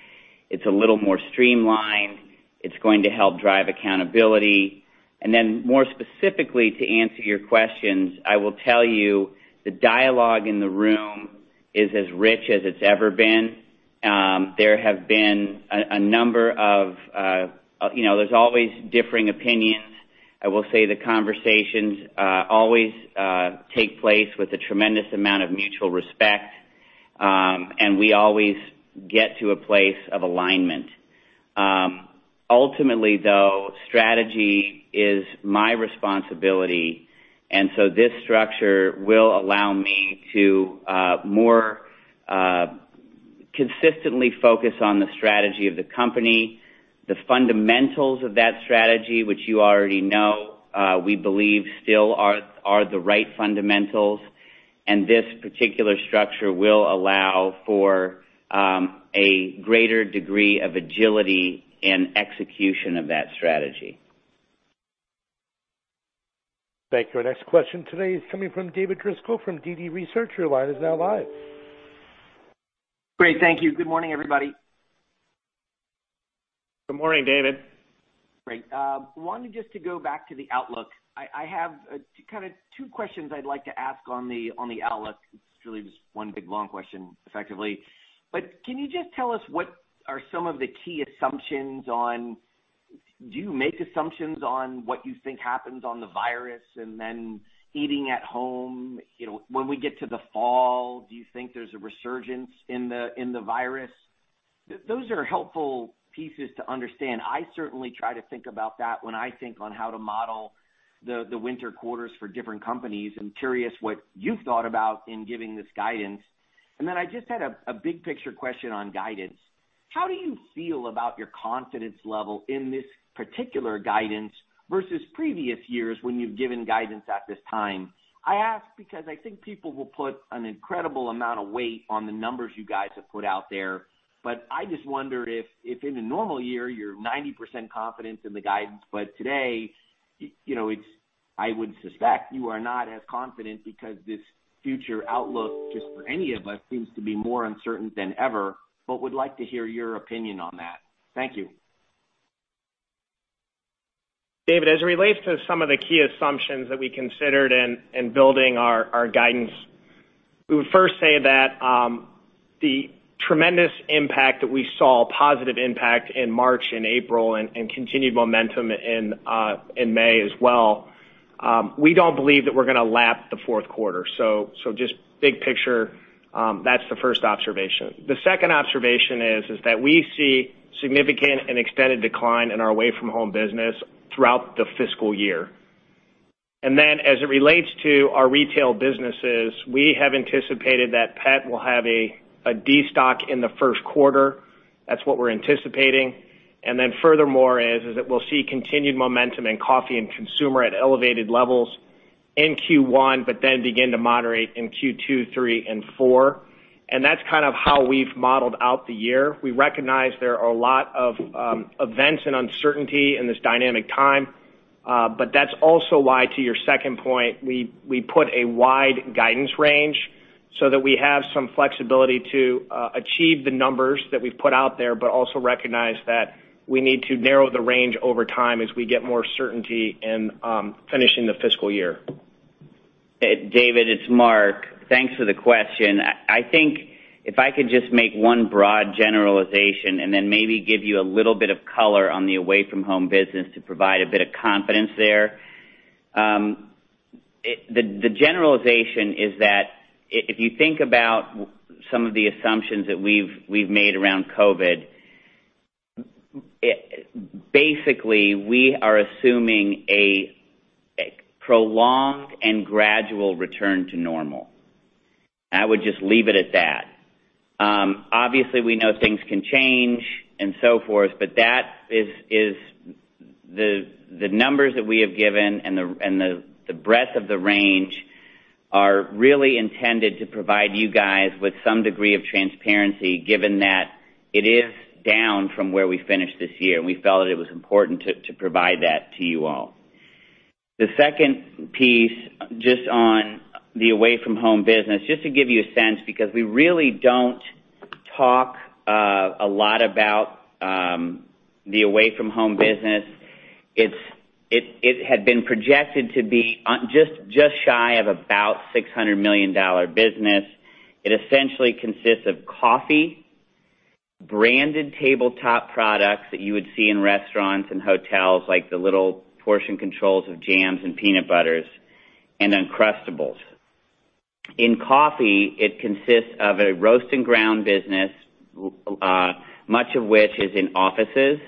It's a little more streamlined. It's going to help drive accountability. And then more specifically, to answer your questions, I will tell you the dialogue in the room is as rich as it's ever been. There have been a number of. There's always differing opinions. I will say the conversations always take place with a tremendous amount of mutual respect, and we always get to a place of alignment. Ultimately, though, strategy is my responsibility. And so this structure will allow me to more consistently focus on the strategy of the company, the fundamentals of that strategy, which you already know we believe still are the right fundamentals. And this particular structure will allow for a greater degree of agility in execution of that strategy. Thank you. Our next question today is coming from David Driscoll from DD Research. Your line is now live. Great. Thank you. Good morning, everybody. Good morning, David. Great. Wanted just to go back to the outlook. I have kind of two questions I'd like to ask on the outlook. It's really just one big long question, effectively. But can you just tell us what are some of the key assumptions on do you make assumptions on what you think happens on the virus and then eating at home? When we get to the fall, do you think there's a resurgence in the virus? Those are helpful pieces to understand. I certainly try to think about that when I think on how to model the winter quarters for different companies. I'm curious what you've thought about in giving this guidance. And then I just had a big picture question on guidance. How do you feel about your confidence level in this particular guidance versus previous years when you've given guidance at this time? I ask because I think people will put an incredible amount of weight on the numbers you guys have put out there. But I just wonder if in a normal year, you're 90% confident in the guidance. But today, I would suspect you are not as confident because this future outlook, just for any of us, seems to be more uncertain than ever. But would like to hear your opinion on that. Thank you. David, as it relates to some of the key assumptions that we considered in building our guidance, we would first say that the tremendous impact that we saw, positive impact in March and April, and continued momentum in May as well, we don't believe that we're going to lap the fourth quarter. So just big picture, that's the first observation. The second observation is that we see significant and extended decline in our away-from-home business throughout the fiscal year. And then as it relates to our retail businesses, we have anticipated that pet will have a destock in the first quarter. That's what we're anticipating. And then furthermore is that we'll see continued momentum in coffee and consumer at elevated levels in Q1, but then begin to moderate in Q2, Q3, and Q4. And that's kind of how we've modeled out the year. We recognize there are a lot of events and uncertainty in this dynamic time. But that's also why, to your second point, we put a wide guidance range so that we have some flexibility to achieve the numbers that we've put out there, but also recognize that we need to narrow the range over time as we get more certainty in finishing the fiscal year. David, it's Mark. Thanks for the question. I think if I could just make one broad generalization and then maybe give you a little bit of color on the away-from-home business to provide a bit of confidence there. The generalization is that if you think about some of the assumptions that we've made around COVID, basically, we are assuming a prolonged and gradual return to normal. I would just leave it at that. Obviously, we know things can change and so forth, but the numbers that we have given and the breadth of the range are really intended to provide you guys with some degree of transparency, given that it is down from where we finished this year, and we felt that it was important to provide that to you all. The second piece, just on the away-from-home business, just to give you a sense, because we really don't talk a lot about the away-from-home business, it had been projected to be just shy of about $600 million business. It essentially consists of coffee, branded tabletop products that you would see in restaurants and hotels, like the little portion controls of jams and peanut butters and Uncrustables. In coffee, it consists of a roast and ground business, much of which is in offices,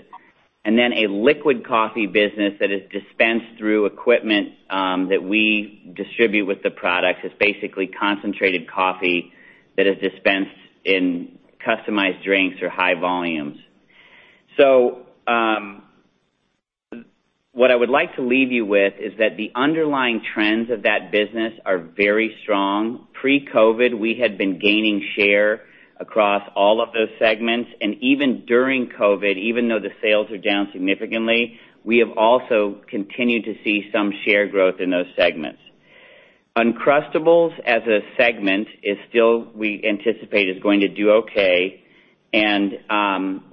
and then a liquid coffee business that is dispensed through equipment that we distribute with the products. It's basically concentrated coffee that is dispensed in customized drinks or high volumes, so what I would like to leave you with is that the underlying trends of that business are very strong. Pre-COVID, we had been gaining share across all of those segments, and even during COVID, even though the sales are down significantly, we have also continued to see some share growth in those segments. Uncrustables, as a segment, we anticipate is going to do okay, and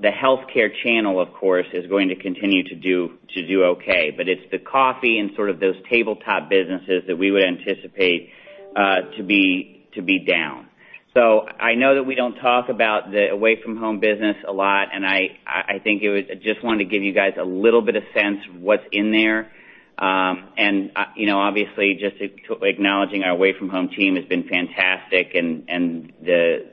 the healthcare channel, of course, is going to continue to do okay, but it's the coffee and sort of those tabletop businesses that we would anticipate to be down. I know that we don't talk about the away-from-home business a lot, and I think I just wanted to give you guys a little bit of sense of what's in there. And obviously, just acknowledging our away-from-home team has been fantastic and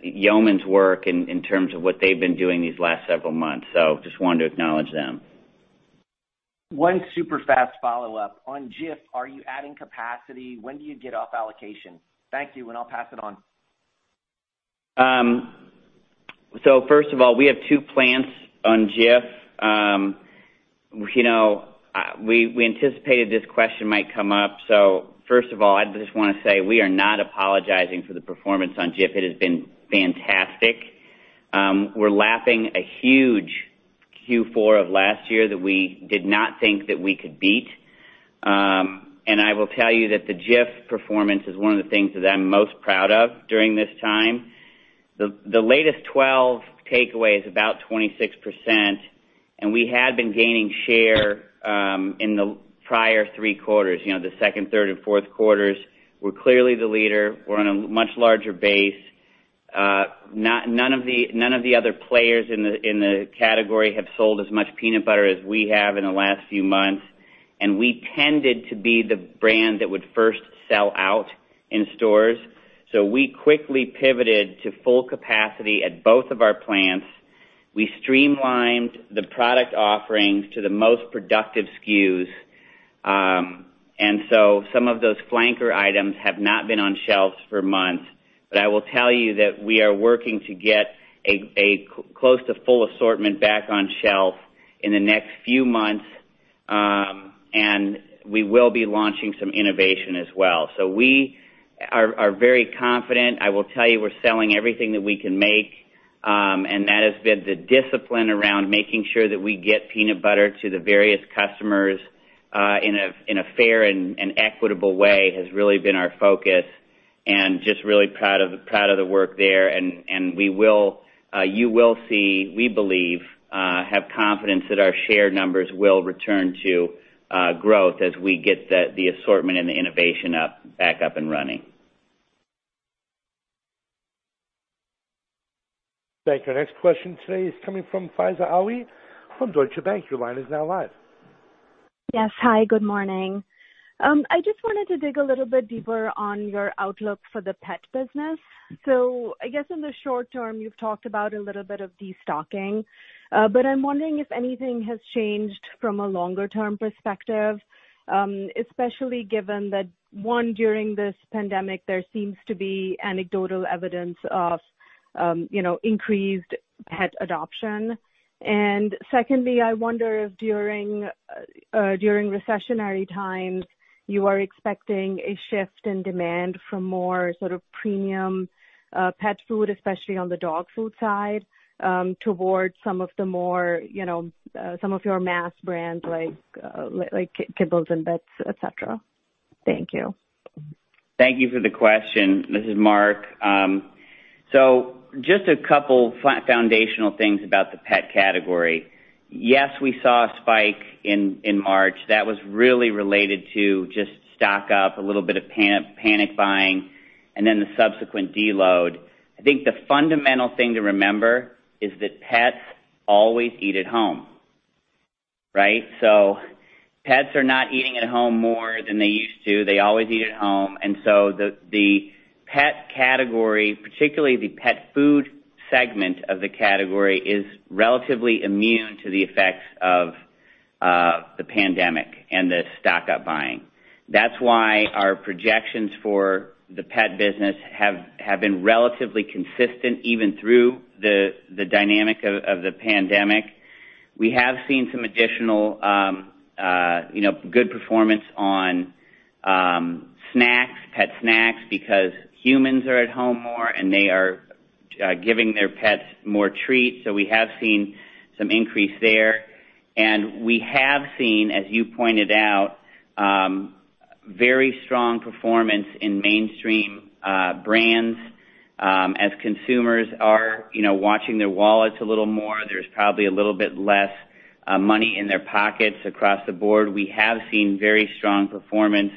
yeoman's work in terms of what they've been doing these last several months. Just wanted to acknowledge them. One super fast follow-up. On Jif, are you adding capacity? When do you get off allocation? Thank you, and I'll pass it on. First of all, we have two plants on Jif. We anticipated this question might come up. First of all, I just want to say we are not apologizing for the performance on Jif. It has been fantastic. We're lapping a huge Q4 of last year that we did not think that we could beat. And I will tell you that the Jif performance is one of the things that I'm most proud of during this time. The latest 12 takeaway is about 26%. And we had been gaining share in the prior three quarters. The second, third, and fourth quarters, we're clearly the leader. We're on a much larger base. None of the other players in the category have sold as much peanut butter as we have in the last few months. And we quickly pivoted to full capacity at both of our plants. We streamlined the product offerings to the most productive SKUs. And so some of those flanker items have not been on shelves for months. But I will tell you that we are working to get a close to full assortment back on shelf in the next few months. And we will be launching some innovation as well. So we are very confident. I will tell you we're selling everything that we can make. And that has been the discipline around making sure that we get peanut butter to the various customers in a fair and equitable way has really been our focus. And just really proud of the work there. And you will see, we believe, have confidence that our share numbers will return to growth as we get the assortment and the innovation back up and running. Thank you. Our next question today is coming from Faiza Alwy from Deutsche Bank. Your line is now live. Yes. Hi. Good morning. I just wanted to dig a little bit deeper on your outlook for the pet business. So I guess in the short term, you've talked about a little bit of destocking. But I'm wondering if anything has changed from a longer-term perspective, especially given that, one, during this pandemic, there seems to be anecdotal evidence of increased pet adoption. And secondly, I wonder if during recessionary times, you are expecting a shift in demand from more sort of premium pet food, especially on the dog food side, towards some of the more of your mass brands like Kibbles 'n Bits, etc. Thank you. Thank you for the question. This is Mark. So just a couple of foundational things about the pet category. Yes, we saw a spike in March. That was really related to just stock up, a little bit of panic buying, and then the subsequent deload. I think the fundamental thing to remember is that pets always eat at home, right? So pets are not eating at home more than they used to. They always eat at home. And so the pet category, particularly the pet food segment of the category, is relatively immune to the effects of the pandemic and the stock up buying. That's why our projections for the pet business have been relatively consistent even through the dynamic of the pandemic. We have seen some additional good performance on pet snacks because humans are at home more and they are giving their pets more treats. So we have seen some increase there. And we have seen, as you pointed out, very strong performance in mainstream brands as consumers are watching their wallets a little more. There's probably a little bit less money in their pockets across the board. We have seen very strong performance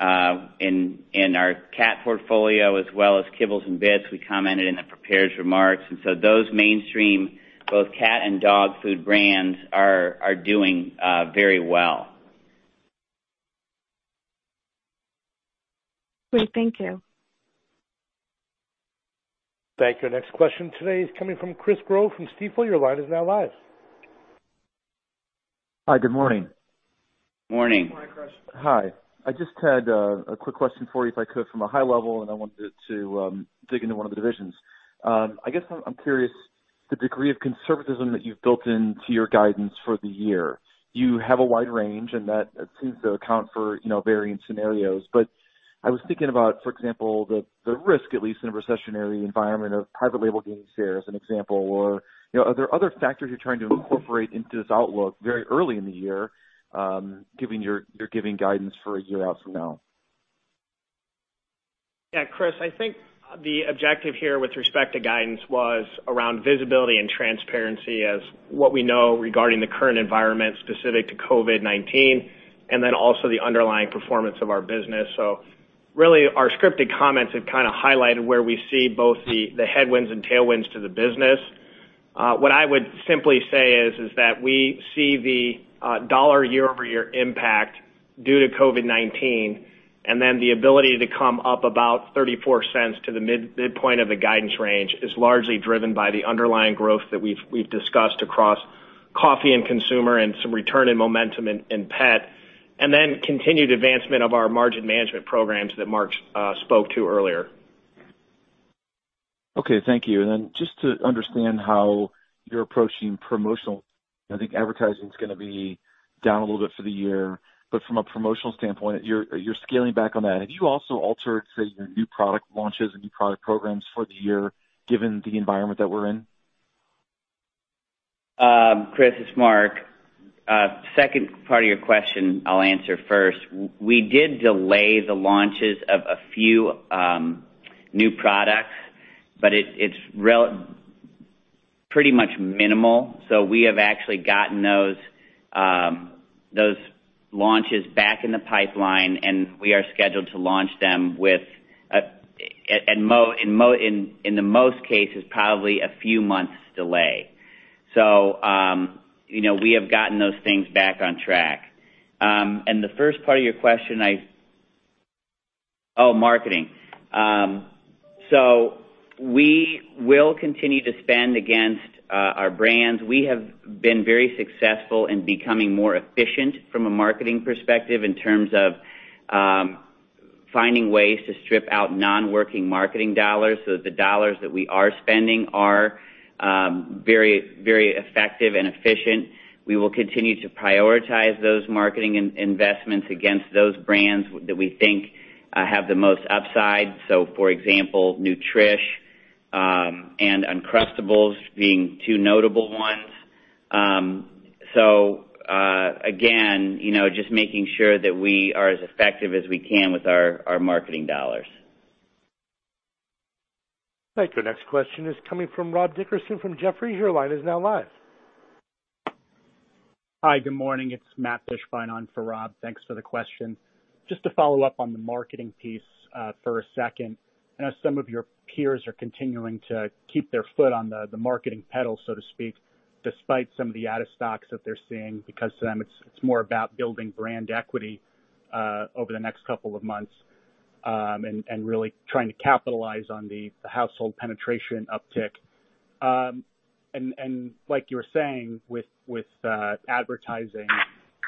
in our cat portfolio as well as Kibbles 'n Bits. We commented in the prepared remarks, and so those mainstream, both cat and dog food brands are doing very well. Great. Thank you. Thank you. Our next question today is coming from Chris Growe from Stifel. Your line is now live. Hi. Good morning. Morning. Hi. I just had a quick question for you if I could from a high level, and I wanted to dig into one of the divisions. I guess I'm curious the degree of conservatism that you've built into your guidance for the year. You have a wide range, and that seems to account for varying scenarios, but I was thinking about, for example, the risk, at least in a recessionary environment, of private label gaining shares as an example. Or are there other factors you're trying to incorporate into this outlook very early in the year, given you're giving guidance for a year out from now? Yeah. Chris, I think the objective here with respect to guidance was around visibility and transparency as what we know regarding the current environment specific to COVID-19, and then also the underlying performance of our business. So really, our scripted comments have kind of highlighted where we see both the headwinds and tailwinds to the business. What I would simply say is that we see the dollar year-over-year impact due to COVID-19, and then the ability to come up about $0.34 to the midpoint of the guidance range is largely driven by the underlying growth that we've discussed across coffee and consumer and some return in momentum in pet, and then continued advancement of our margin management programs that Mark spoke to earlier. Okay. Thank you. And then just to understand how you're approaching promotional. I think advertising is going to be down a little bit for the year. But from a promotional standpoint, you're scaling back on that. Have you also altered, say, your new product launches and new product programs for the year, given the environment that we're in? Chris, it's Mark. Second part of your question, I'll answer first. We did delay the launches of a few new products, but it's pretty much minimal, so we have actually gotten those launches back in the pipeline, and we are scheduled to launch them with, in the most cases, probably a few months' delay, so we have gotten those things back on track, and the first part of your question, marketing, so we will continue to spend against our brands. We have been very successful in becoming more efficient from a marketing perspective in terms of finding ways to strip out non-working marketing dollars so that the dollars that we are spending are very effective and efficient. We will continue to prioritize those marketing investments against those brands that we think have the most upside, so, for example, Nutrish and Uncrustables being two notable ones. So again, just making sure that we are as effective as we can with our marketing dollars. Thank you. Our next question is coming from Rob Dickerson from Jefferies. Your line is now live. Hi. Good morning. It's Matt Fishbein on for Rob. Thanks for the question. Just to follow up on the marketing piece for a second. I know some of your peers are continuing to keep their foot on the marketing pedal, so to speak, despite some of the out-of-stocks that they're seeing. Because to them, it's more about building brand equity over the next couple of months and really trying to capitalize on the household penetration uptick. And like you were saying, with advertising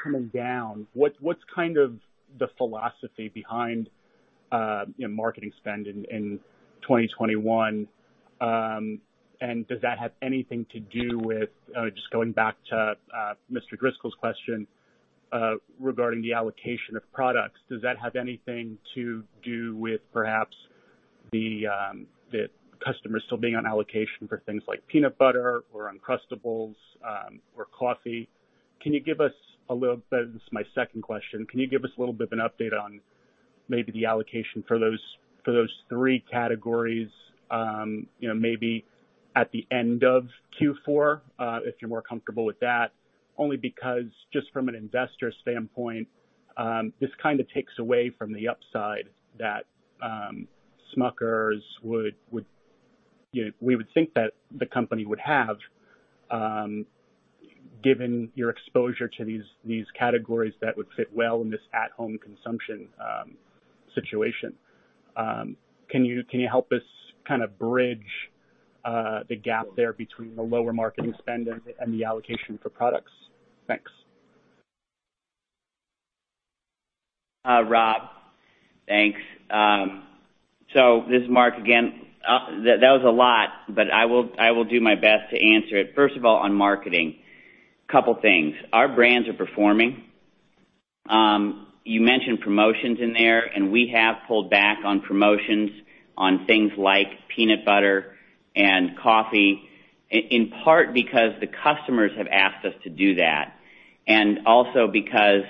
coming down, what's kind of the philosophy behind marketing spend in 2021? And does that have anything to do with, just going back to Mr. Driscoll's question regarding the allocation of products, does that have anything to do with perhaps the customers still being on allocation for things like peanut butter or Uncrustables or coffee? Can you give us a little bit, this is my second question, can you give us a little bit of an update on maybe the allocation for those three categories, maybe at the end of Q4, if you're more comfortable with that? Only because just from an investor standpoint, this kind of takes away from the upside that Smucker's would, we would think that the company would have, given your exposure to these categories that would fit well in this at-home consumption situation. Can you help us kind of bridge the gap there between the lower marketing spend and the allocation for products? Thanks. Hi, Rob. Thanks. So this is Mark. Again, that was a lot, but I will do my best to answer it. First of all, on marketing, a couple of things. Our brands are performing. You mentioned promotions in there, and we have pulled back on promotions on things like peanut butter and coffee, in part because the customers have asked us to do that and also because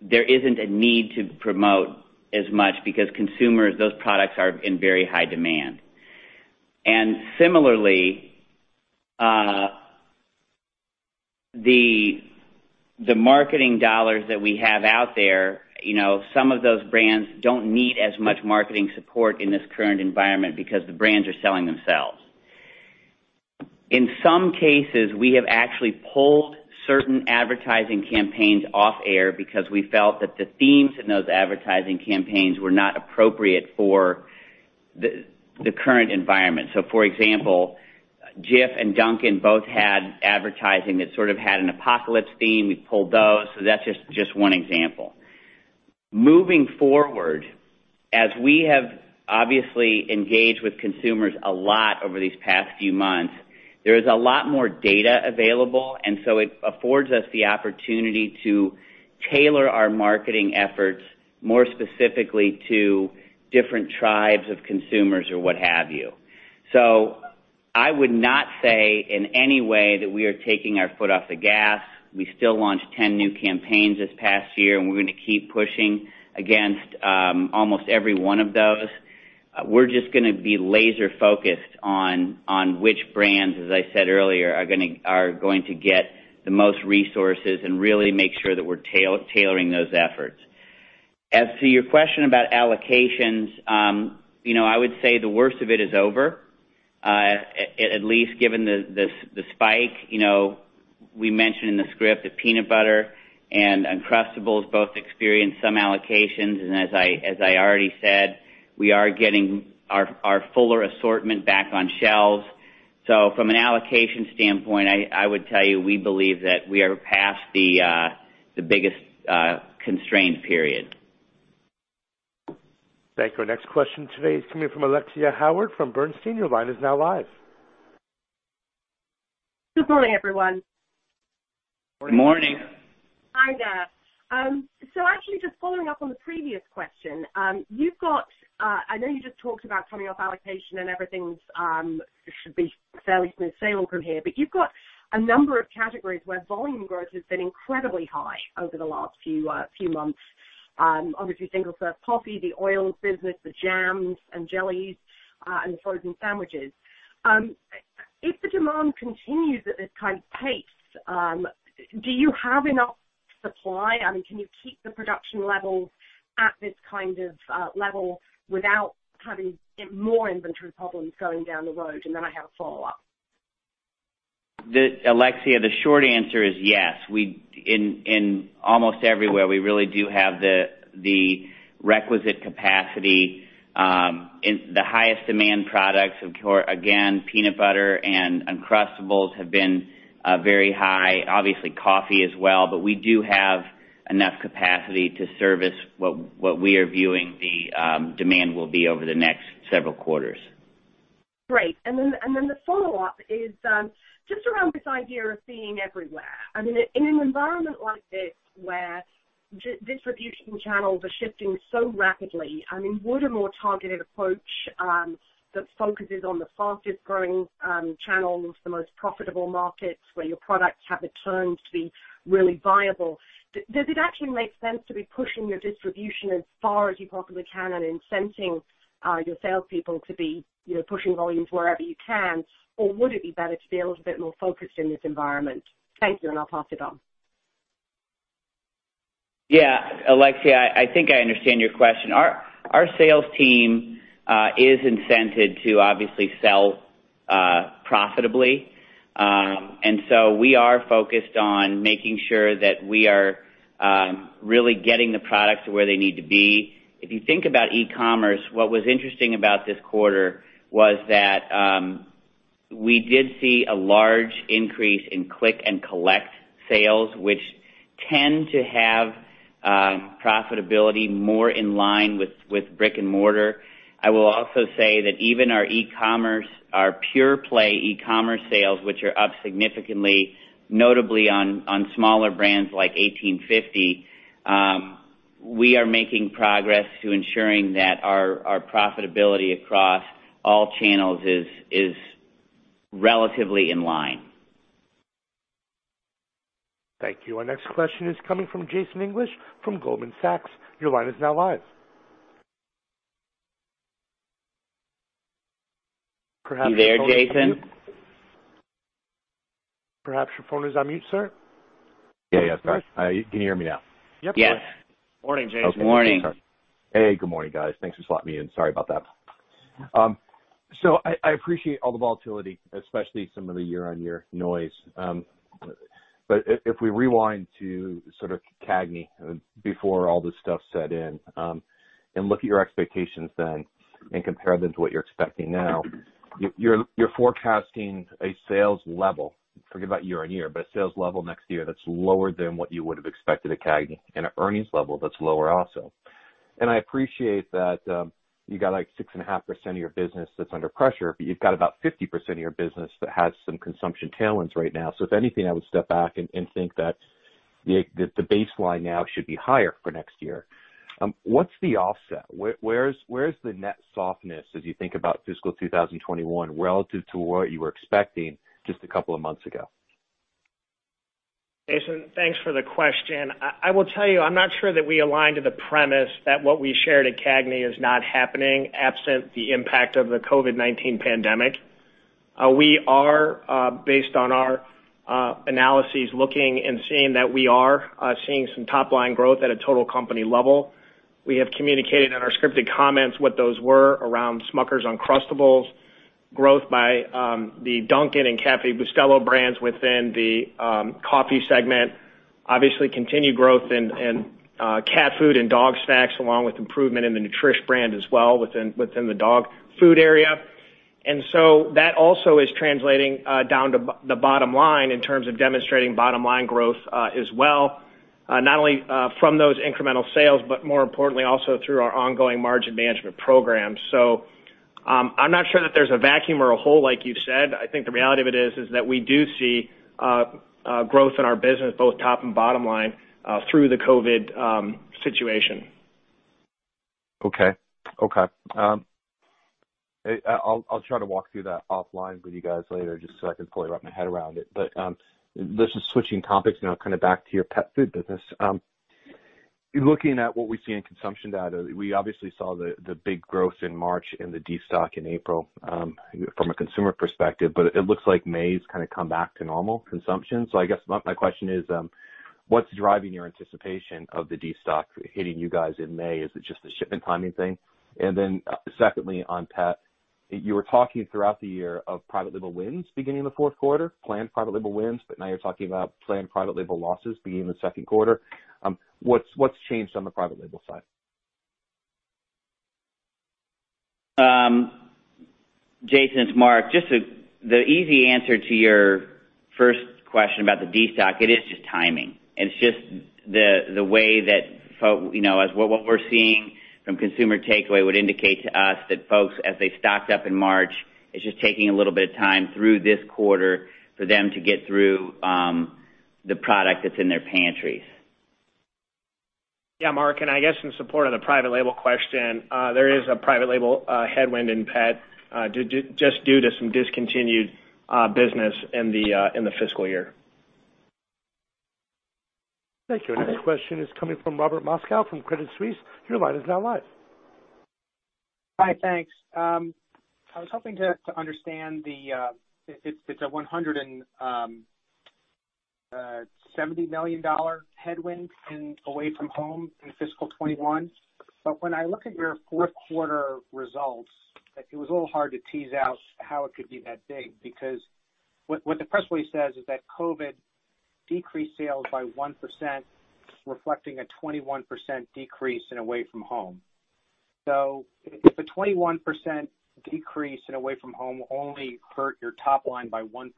there isn't a need to promote as much because consumers, those products are in very high demand. And similarly, the marketing dollars that we have out there, some of those brands don't need as much marketing support in this current environment because the brands are selling themselves. In some cases, we have actually pulled certain advertising campaigns off air because we felt that the themes in those advertising campaigns were not appropriate for the current environment. For example, Jif and Dunkin' both had advertising that sort of had an apocalypse theme. We pulled those. That's just one example. Moving forward, as we have obviously engaged with consumers a lot over these past few months, there is a lot more data available, and so it affords us the opportunity to tailor our marketing efforts more specifically to different tribes of consumers or what have you. I would not say in any way that we are taking our foot off the gas. We still launched 10 new campaigns this past year, and we're going to keep pushing against almost every one of those. We're just going to be laser-focused on which brands, as I said earlier, are going to get the most resources and really make sure that we're tailoring those efforts. As to your question about allocations, I would say the worst of it is over, at least given the spike. We mentioned in the script that peanut butter and Uncrustables both experienced some allocations. And as I already said, we are getting our fuller assortment back on shelves. So from an allocation standpoint, I would tell you we believe that we are past the biggest constraint period. Thank you. Our next question today is coming from Alexia Howard from Bernstein. Your line is now live. Good morning, everyone. Morning. Hi, there. So actually, just following up on the previous question, I know you just talked about coming off allocation and everything should be fairly smooth sailing from here, but you've got a number of categories where volume growth has been incredibly high over the last few months, obviously single-serve coffee, the oil business, the jams and jellies, and frozen sandwiches. If the demand continues at this kind of pace, do you have enough supply? I mean, can you keep the production levels at this kind of level without having more inventory problems going down the road? And then I have a follow-up. Alexia, the short answer is yes. In almost everywhere, we really do have the requisite capacity. The highest demand products of, again, peanut butter and Uncrustables have been very high. Obviously, coffee as well, but we do have enough capacity to service what we are viewing the demand will be over the next several quarters. Great. And then the follow-up is just around this idea of being everywhere. I mean, in an environment like this where distribution channels are shifting so rapidly, I mean, would a more targeted approach that focuses on the fastest-growing channels, the most profitable markets where your products have returns to be really viable, does it actually make sense to be pushing your distribution as far as you possibly can and incenting your salespeople to be pushing volumes wherever you can? Or would it be better to be a little bit more focused in this environment? Thank you, and I'll pass it on. Yeah. Alexia, I think I understand your question. Our sales team is incented to obviously sell profitably. And so we are focused on making sure that we are really getting the products to where they need to be. If you think about e-commerce, what was interesting about this quarter was that we did see a large increase in click and collect sales, which tend to have profitability more in line with brick and mortar. I will also say that even our e-commerce, our pure-play e-commerce sales, which are up significantly, notably on smaller brands like 1850, we are making progress to ensuring that our profitability across all channels is relatively in line. Thank you. Our next question is coming from Jason English from Goldman Sachs. Your line is now live. Perhaps you can hear me. Are you there, Jason? Perhaps your phone is on mute, sir? Yeah. Yeah, sir. Can you hear me now? Yes. Morning, Jason. Good morning. Hey. Good morning, guys. Thanks for slotting me in. Sorry about that. So I appreciate all the volatility, especially some of the year-on-year noise. But if we rewind to sort of CAGNY before all this stuff set in and look at your expectations then and compare them to what you're expecting now, you're forecasting a sales level, forget about year on year, but a sales level next year that's lower than what you would have expected at CAGNY and an earnings level that's lower also. And I appreciate that you got like 6.5% of your business that's under pressure, but you've got about 50% of your business that has some consumption tailwinds right now. So if anything, I would step back and think that the baseline now should be higher for next year. What's the offset? Where's the net softness as you think about fiscal 2021 relative to what you were expecting just a couple of months ago? Jason, thanks for the question. I will tell you, I'm not sure that we align to the premise that what we shared at CAGNY is not happening absent the impact of the COVID-19 pandemic. We are, based on our analyses, looking and seeing that we are seeing some top-line growth at a total company level. We have communicated in our scripted comments what those were around Smucker's, Uncrustables, growth by the Dunkin' and Café Bustelo brands within the coffee segment, obviously continued growth in cat food and dog snacks, along with improvement in the Nutrish brand as well within the dog food area, and so that also is translating down to the bottom line in terms of demonstrating bottom-line growth as well, not only from those incremental sales, but more importantly, also through our ongoing margin management program, so I'm not sure that there's a vacuum or a hole, like you said. I think the reality of it is that we do see growth in our business, both top and bottom line, through the COVID situation. Okay. Okay. I'll try to walk through that offline with you guys later just so I can fully wrap my head around it. But this is switching topics now, kind of back to your pet food business. Looking at what we see in consumption data, we obviously saw the big growth in March and the destock in April from a consumer perspective, but it looks like May has kind of come back to normal consumption. So I guess my question is, what's driving your anticipation of the destock hitting you guys in May? Is it just the shipment timing thing? And then secondly, on pet, you were talking throughout the year of private label wins beginning of the fourth quarter, planned private label wins, but now you're talking about planned private label losses beginning of the second quarter. What's changed on the private label side? Jason. Mark, just the easy answer to your first question about the destock. It is just timing. It's just the way that what we're seeing from consumer takeaway would indicate to us that folks, as they stocked up in March, it's just taking a little bit of time through this quarter for them to get through the product that's in their pantries. Yeah, Mark. And I guess in support of the private label question, there is a private label headwind in pet just due to some discontinued business in the fiscal year. Thank you. Our next question is coming from Robert Moskow from Credit Suisse. Your line is now live. Hi, thanks. I was hoping to understand the, it's a $170 million headwind away from home in fiscal 2021, but when I look at your fourth quarter results, it was a little hard to tease out how it could be that big because what the press release says is that COVID decreased sales by 1%, reflecting a 21% decrease in away from home, so if a 21% decrease in away from home only hurt your top line by 1%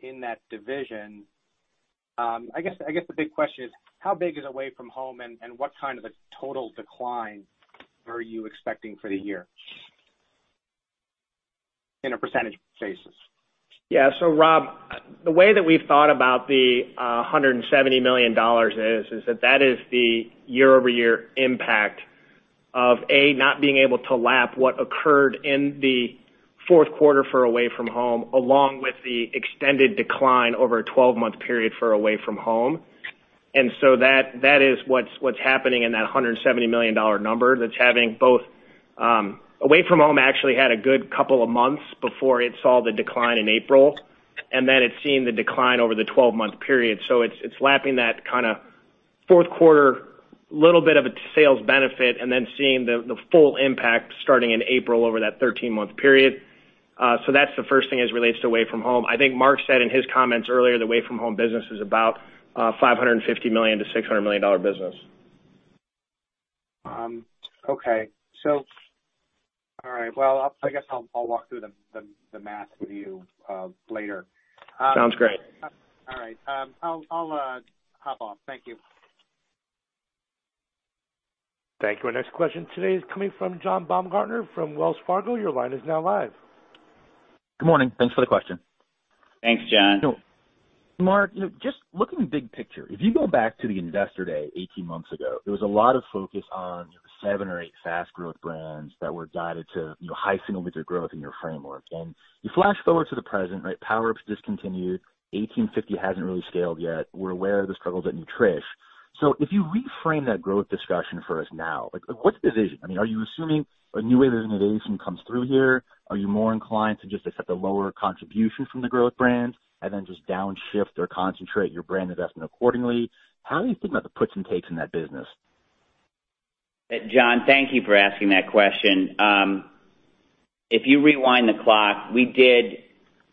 in that division, I guess the big question is, how big is away from home and what kind of a total decline are you expecting for the year in a % basis? Yeah. So, Rob, the way that we've thought about the $170 million is that that is the year-over-year impact of, A, not being able to lap what occurred in the fourth quarter for away from home, along with the extended decline over a 12-month period for away from home. And so that is what's happening in that $170 million number that's having both, away from home actually had a good couple of months before it saw the decline in April, and then it's seeing the decline over the 12-month period. So it's lapping that kind of fourth-quarter little bit of a sales benefit and then seeing the full impact starting in April over that 13-month period. So that's the first thing as it relates to away from home. I think Mark said in his comments earlier the away-from-home business is about a $550 million-$600 million business. Okay. So, all right. Well, I guess I'll walk through the math with you later. Sounds great. All right. I'll hop off. Thank you. Thank you. Our next question today is coming from John Baumgartner from Wells Fargo. Your line is now live. Good morning. Thanks for the question. Thanks, John. Mark, just looking big picture, if you go back to the investor day 18 months ago, there was a lot of focus on the seven or eight fast-growth brands that were guided to high single-digit growth in your framework. And you flash forward to the present, right? PowerUps discontinued. 1850 hasn't really scaled yet. We're aware of the struggles at Nutrish. So if you reframe that growth discussion for us now, what's the decision? I mean, are you assuming a new wave of innovation comes through here? Are you more inclined to just accept a lower contribution from the growth brands and then just downshift or concentrate your brand investment accordingly? How do you think about the puts and takes in that business? John, thank you for asking that question. If you rewind the clock, we did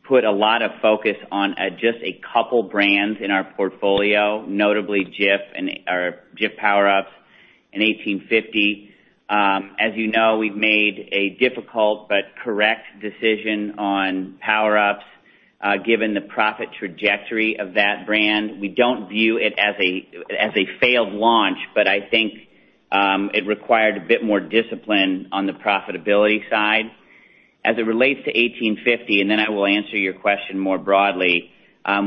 put a lot of focus on just a couple brands in our portfolio, notably Jif and our Jif PowerUps and 1850. As you know, we've made a difficult but correct decision on PowerUps given the profit trajectory of that brand. We don't view it as a failed launch, but I think it required a bit more discipline on the profitability side. As it relates to 1850, and then I will answer your question more broadly,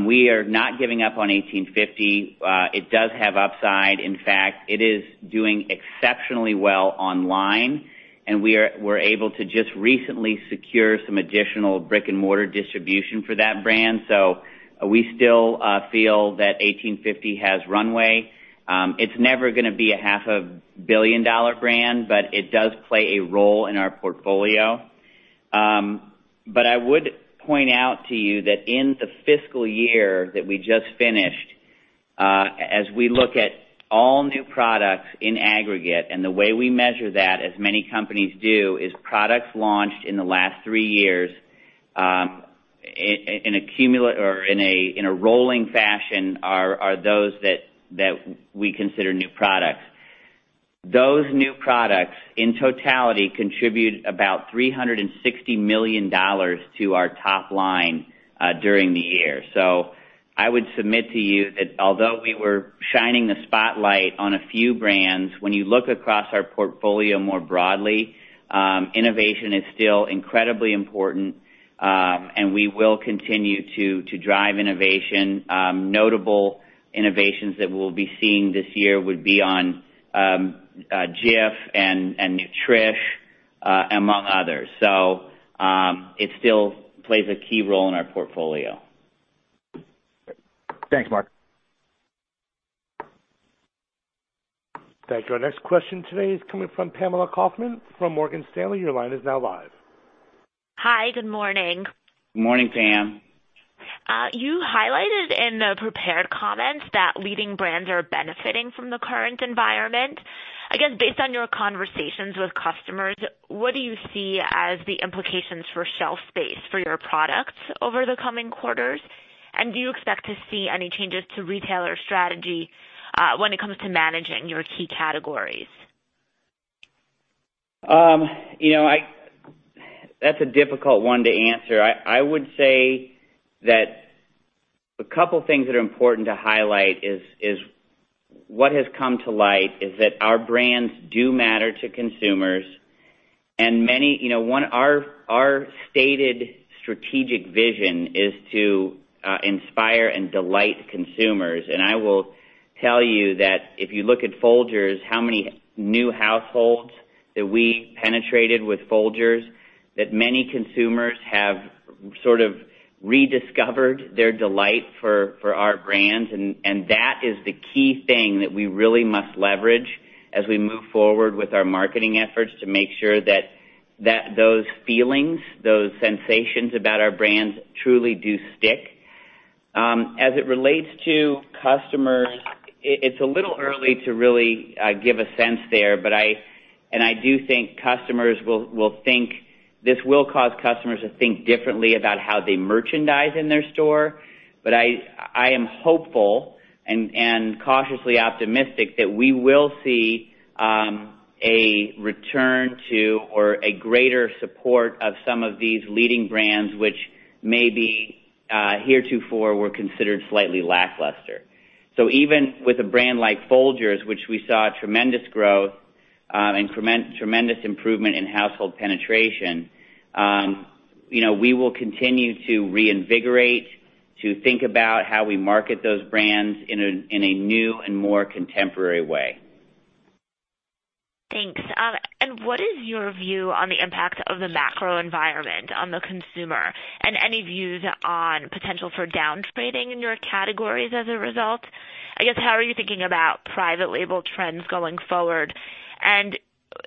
we are not giving up on 1850. It does have upside. In fact, it is doing exceptionally well online, and we were able to just recently secure some additional brick-and-mortar distribution for that brand. So we still feel that 1850 has runway. It's never going to be a $500 million brand, but it does play a role in our portfolio. But I would point out to you that in the fiscal year that we just finished, as we look at all new products in aggregate, and the way we measure that, as many companies do, is products launched in the last three years in a rolling fashion are those that we consider new products. Those new products in totality contribute about $360 million to our top line during the year. So I would submit to you that although we were shining the spotlight on a few brands, when you look across our portfolio more broadly, innovation is still incredibly important, and we will continue to drive innovation. Notable innovations that we'll be seeing this year would be on Jif and Nutrish, among others. So it still plays a key role in our portfolio. Thanks, Mark. Thank you. Our next question today is coming from Pamela Kaufman from Morgan Stanley. Your line is now live. Hi. Good morning. Good morning, Pam. You highlighted in the prepared comments that leading brands are benefiting from the current environment. I guess based on your conversations with customers, what do you see as the implications for shelf space for your products over the coming quarters? And do you expect to see any changes to retailer strategy when it comes to managing your key categories? That's a difficult one to answer. I would say that a couple of things that are important to highlight is what has come to light is that our brands do matter to consumers, and our stated strategic vision is to inspire and delight consumers, and I will tell you that if you look at Folgers, how many new households that we penetrated with Folgers, that many consumers have sort of rediscovered their delight for our brands, and that is the key thing that we really must leverage as we move forward with our marketing efforts to make sure that those feelings, those sensations about our brands truly do stick. As it relates to customers, it's a little early to really give a sense there, and I do think customers will think this will cause customers to think differently about how they merchandise in their store. But I am hopeful and cautiously optimistic that we will see a return to or a greater support of some of these leading brands, which maybe heretofore were considered slightly lackluster. So even with a brand like Folgers, which we saw tremendous growth and tremendous improvement in household penetration, we will continue to reinvigorate, to think about how we market those brands in a new and more contemporary way. Thanks. And what is your view on the impact of the macro environment on the consumer and any views on potential for downtrading in your categories as a result? I guess how are you thinking about private label trends going forward? And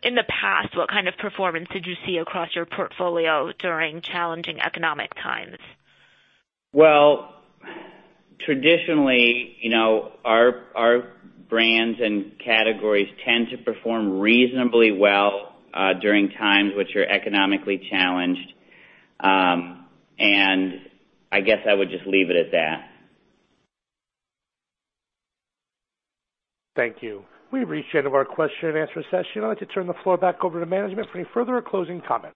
in the past, what kind of performance did you see across your portfolio during challenging economic times? Well, traditionally, our brands and categories tend to perform reasonably well during times which are economically challenged. And I guess I would just leave it at that. Thank you. We appreciate it end of our question and answer session. I'd like to turn the floor back over to management for any further or closing comments.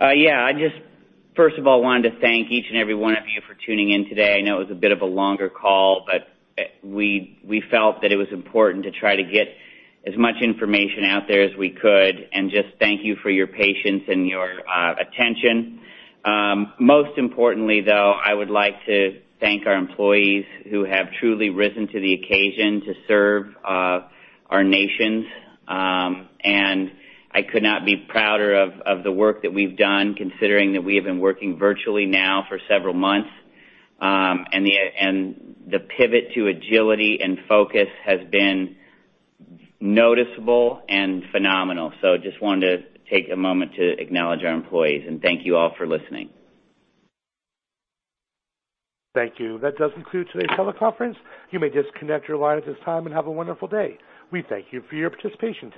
Yeah. I just, first of all, wanted to thank each and every one of you for tuning in today. I know it was a bit of a longer call, but we felt that it was important to try to get as much information out there as we could and just thank you for your patience and your attention. Most importantly, though, I would like to thank our employees who have truly risen to the occasion to serve our nations. And I could not be prouder of the work that we've done, considering that we have been working virtually now for several months. And the pivot to agility and focus has been noticeable and phenomenal. So I just wanted to take a moment to acknowledge our employees and thank you all for listening. Thank you. That does conclude today's teleconference. You may disconnect your line at this time and have a wonderful day. We thank you for your participation.